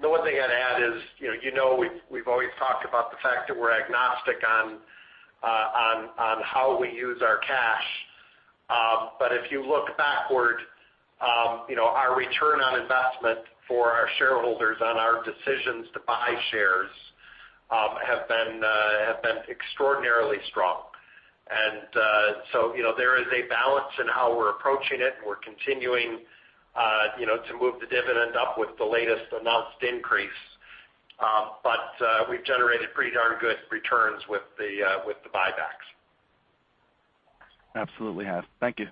D: The one thing I'd add is, you know we've always talked about the fact that we're agnostic on how we use our cash. If you look backward, our return on investment for our shareholders on our decisions to buy shares have been extraordinarily strong. There is a balance in how we're approaching it, and we're continuing to move the dividend up with the latest announced increase. We've generated pretty darn good returns with the buybacks.
Q: Absolutely have. Thank you.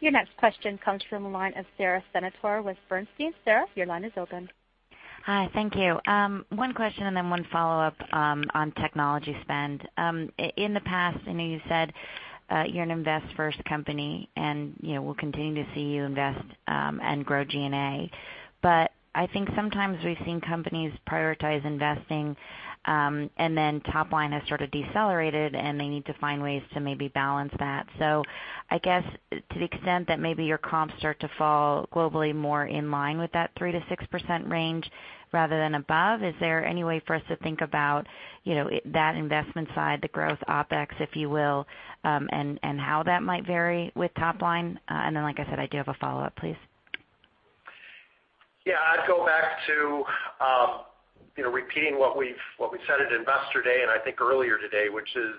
A: Your next question comes from the line of Sara Senatore with Bernstein. Sara, your line is open.
R: Hi, thank you. One question and then one follow-up on technology spend. In the past, I know you said, you're an invest first company, and we'll continue to see you invest and grow G&A. I think sometimes we've seen companies prioritize investing, then top line has sort of decelerated, and they need to find ways to maybe balance that. I guess to the extent that maybe your comps start to fall globally more in line with that 3%-6% range rather than above, is there any way for us to think about that investment side, the growth OpEx, if you will, and how that might vary with top line? Then, like I said, I do have a follow-up, please.
D: Yeah. I'd go back to repeating what we said at Investor Day and I think earlier today, which is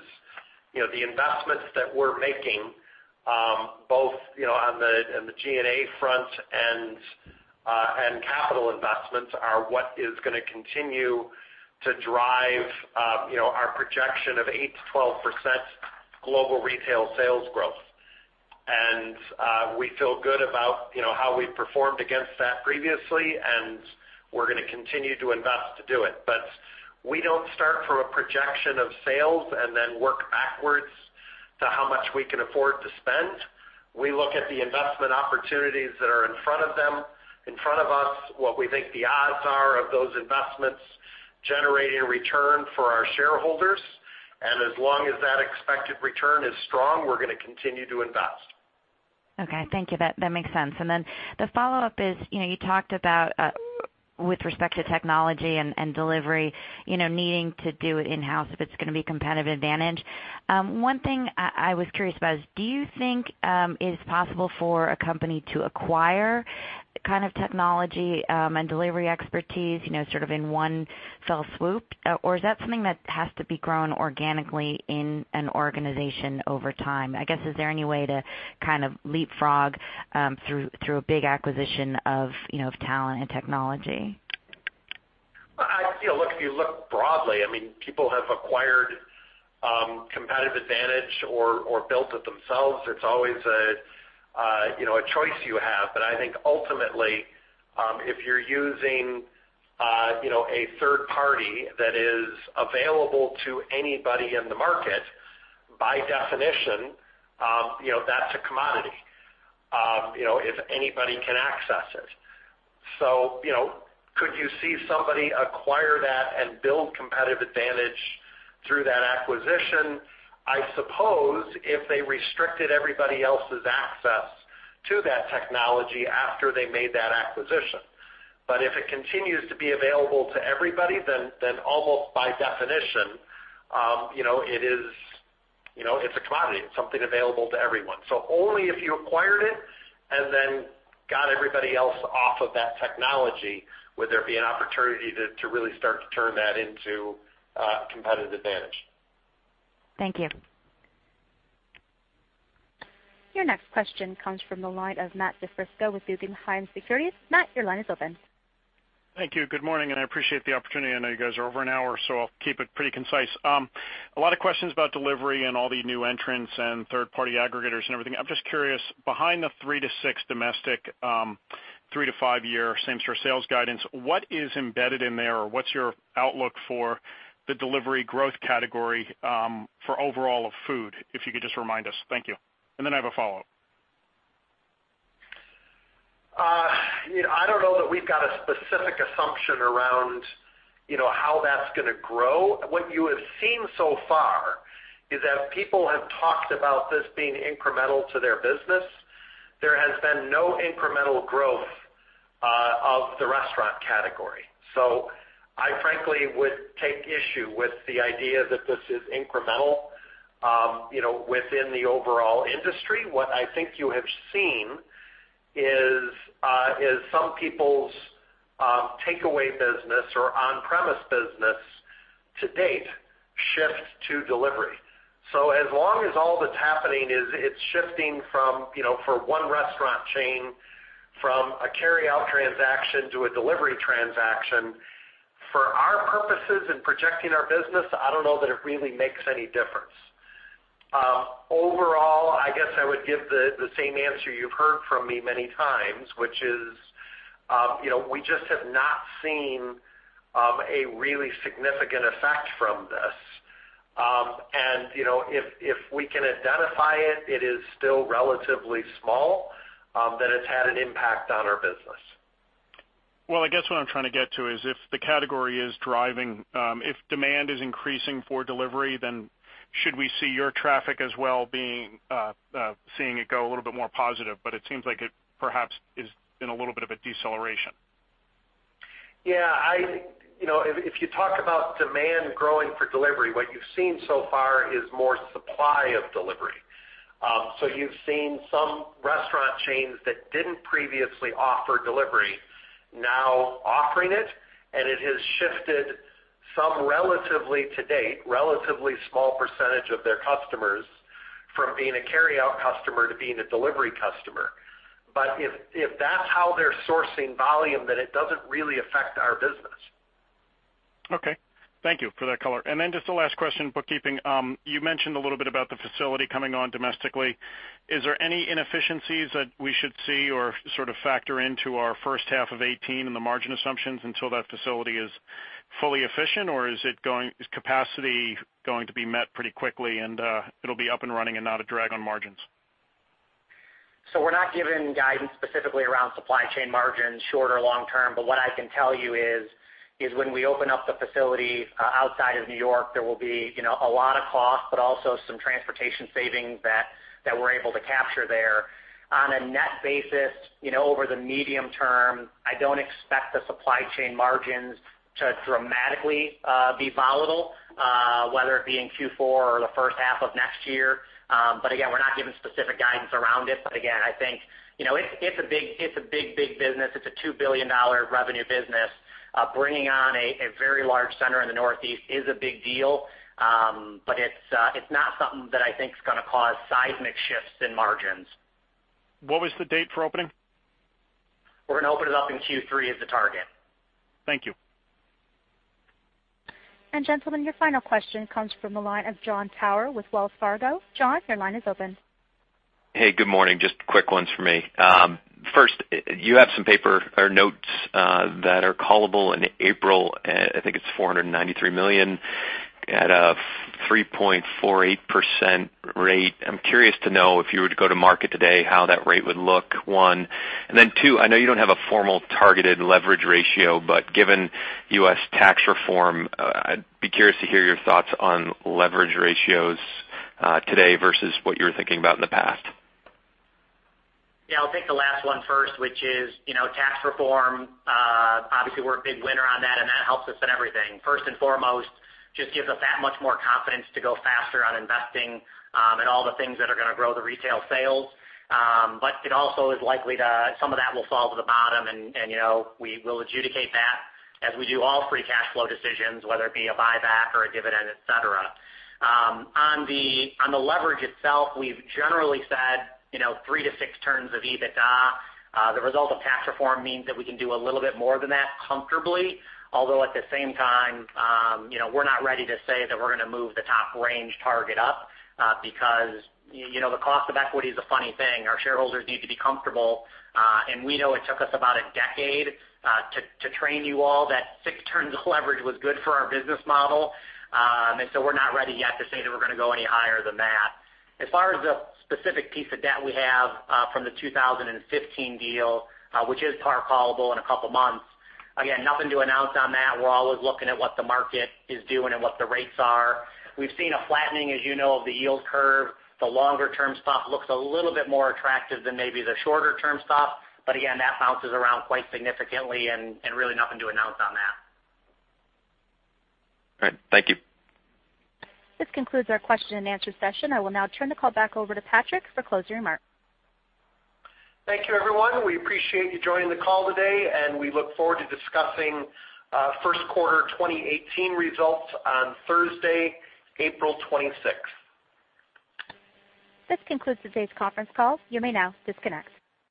D: the investments that we're making, both on the G&A front and capital investments, are what is going to continue to drive our projection of 8%-12% global retail sales growth. We feel good about how we've performed against that previously, and we're going to continue to invest to do it. We don't start from a projection of sales and then work backwards to how much we can afford to spend. We look at the investment opportunities that are in front of us, what we think the odds are of those investments generating return for our shareholders, and as long as that expected return is strong, we're going to continue to invest.
R: Okay. Thank you. That makes sense. Then the follow-up is, you talked about, with respect to technology and delivery, needing to do it in-house if it's going to be a competitive advantage. One thing I was curious about is, do you think it is possible for a company to acquire kind of technology and delivery expertise sort of in one fell swoop? Or is that something that has to be grown organically in an organization over time? I guess, is there any way to kind of leapfrog through a big acquisition of talent and technology?
D: If you look broadly, people have acquired competitive advantage or built it themselves. It's always a choice you have. I think ultimately, if you're using a third party that is available to anybody in the market, by definition, that's a commodity if anybody can access it. Could you see somebody acquire that and build competitive advantage through that acquisition? I suppose if they restricted everybody else's access to that technology after they made that acquisition. If it continues to be available to everybody, then almost by definition, it's a commodity. It's something available to everyone. Only if you acquired it and then got everybody else off of that technology would there be an opportunity to really start to turn that into a competitive advantage.
R: Thank you.
A: Your next question comes from the line of Matt DiFrisco with Guggenheim Securities. Matt, your line is open.
S: Thank you. Good morning. I appreciate the opportunity. I know you guys are over an hour. I'll keep it pretty concise. A lot of questions about delivery and all the new entrants and third-party aggregators and everything. I'm just curious, behind the 3%-6% domestic, 3-5 year same-store sales guidance, what is embedded in there or what's your outlook for the delivery growth category for overall of food, if you could just remind us? Thank you. I have a follow-up.
D: I don't know that we've got a specific assumption around how that's going to grow. What you have seen so far is that people have talked about this being incremental to their business. There has been no incremental growth of the restaurant category. I frankly would take issue with the idea that this is incremental within the overall industry. What I think you have seen is some people's takeaway business or on-premise business to date shift to delivery. As long as all that's happening is it's shifting for one restaurant chain from a carryout transaction to a delivery transaction, for our purposes in projecting our business, I don't know that it really makes any difference. Overall, I guess I would give the same answer you've heard from me many times, which is, we just have not seen a really significant effect from this. If we can identify it is still relatively small that it's had an impact on our business.
S: Well, I guess what I'm trying to get to is if the category is driving, if demand is increasing for delivery, should we see your traffic as well seeing it go a little bit more positive? It seems like it perhaps is in a little bit of a deceleration.
D: Yeah. If you talk about demand growing for delivery, what you've seen so far is more supply of delivery. You've seen some restaurant chains that didn't previously offer delivery now offering it, and it has shifted some relatively, to date, relatively small % of their customers from being a carryout customer to being a delivery customer. If that's how they're sourcing volume, then it doesn't really affect our business.
S: Okay. Thank you for that color. Then just the last question, bookkeeping. You mentioned a little bit about the facility coming on domestically. Is there any inefficiencies that we should see or factor into our first half of 2018 in the margin assumptions until that facility is fully efficient? Is capacity going to be met pretty quickly and it'll be up and running and not a drag on margins?
C: We're not giving guidance specifically around supply chain margins, short or long term. What I can tell you is, when we open up the facility outside of New York, there will be a lot of cost, but also some transportation savings that we're able to capture there. On a net basis, over the medium term, I don't expect the supply chain margins to dramatically be volatile, whether it be in Q4 or the first half of next year. Again, we're not giving specific guidance around it. Again, I think it's a big business. It's a $2 billion revenue business. Bringing on a very large center in the Northeast is a big deal. It's not something that I think is going to cause seismic shifts in margins.
S: What was the date for opening?
C: We're going to open it up in Q3 as the target.
S: Thank you.
A: gentlemen, your final question comes from the line of Jon Tower with Wells Fargo. Jon, your line is open.
T: Hey, good morning. Just quick ones from me. First, you have some paper or notes that are callable in April. I think it's $493 million at a 3.48% rate. I'm curious to know if you were to go to market today, how that rate would look, one. Then two, I know you don't have a formal targeted leverage ratio, but given U.S. tax reform, I'd be curious to hear your thoughts on leverage ratios today versus what you were thinking about in the past.
C: I'll take the last one first, which is tax reform. Obviously, we're a big winner on that helps us in everything. First and foremost, just gives us that much more confidence to go faster on investing and all the things that are going to grow the retail sales. It also is likely that some of that will fall to the bottom, we will adjudicate that as we do all free cash flow decisions, whether it be a buyback or a dividend, et cetera. On the leverage itself, we've generally said, three to six turns of EBITDA. The result of tax reform means that we can do a little bit more than that comfortably. Although at the same time, we're not ready to say that we're going to move the top range target up because the cost of equity is a funny thing. Our shareholders need to be comfortable, we know it took us about a decade to train you all that six turns of leverage was good for our business model. We're not ready yet to say that we're going to go any higher than that. As far as the specific piece of debt we have from the 2015 deal, which is par callable in a couple of months, again, nothing to announce on that. We're always looking at what the market is doing and what the rates are. We've seen a flattening, as you know, of the yield curve. The longer-term stuff looks a little bit more attractive than maybe the shorter-term stuff. Again, that bounces around quite significantly really nothing to announce on that.
T: Great. Thank you.
A: This concludes our question and answer session. I will now turn the call back over to Patrick for closing remarks.
D: Thank you, everyone. We appreciate you joining the call today, and we look forward to discussing first quarter 2018 results on Thursday, April 26th.
A: This concludes today's conference call. You may now disconnect.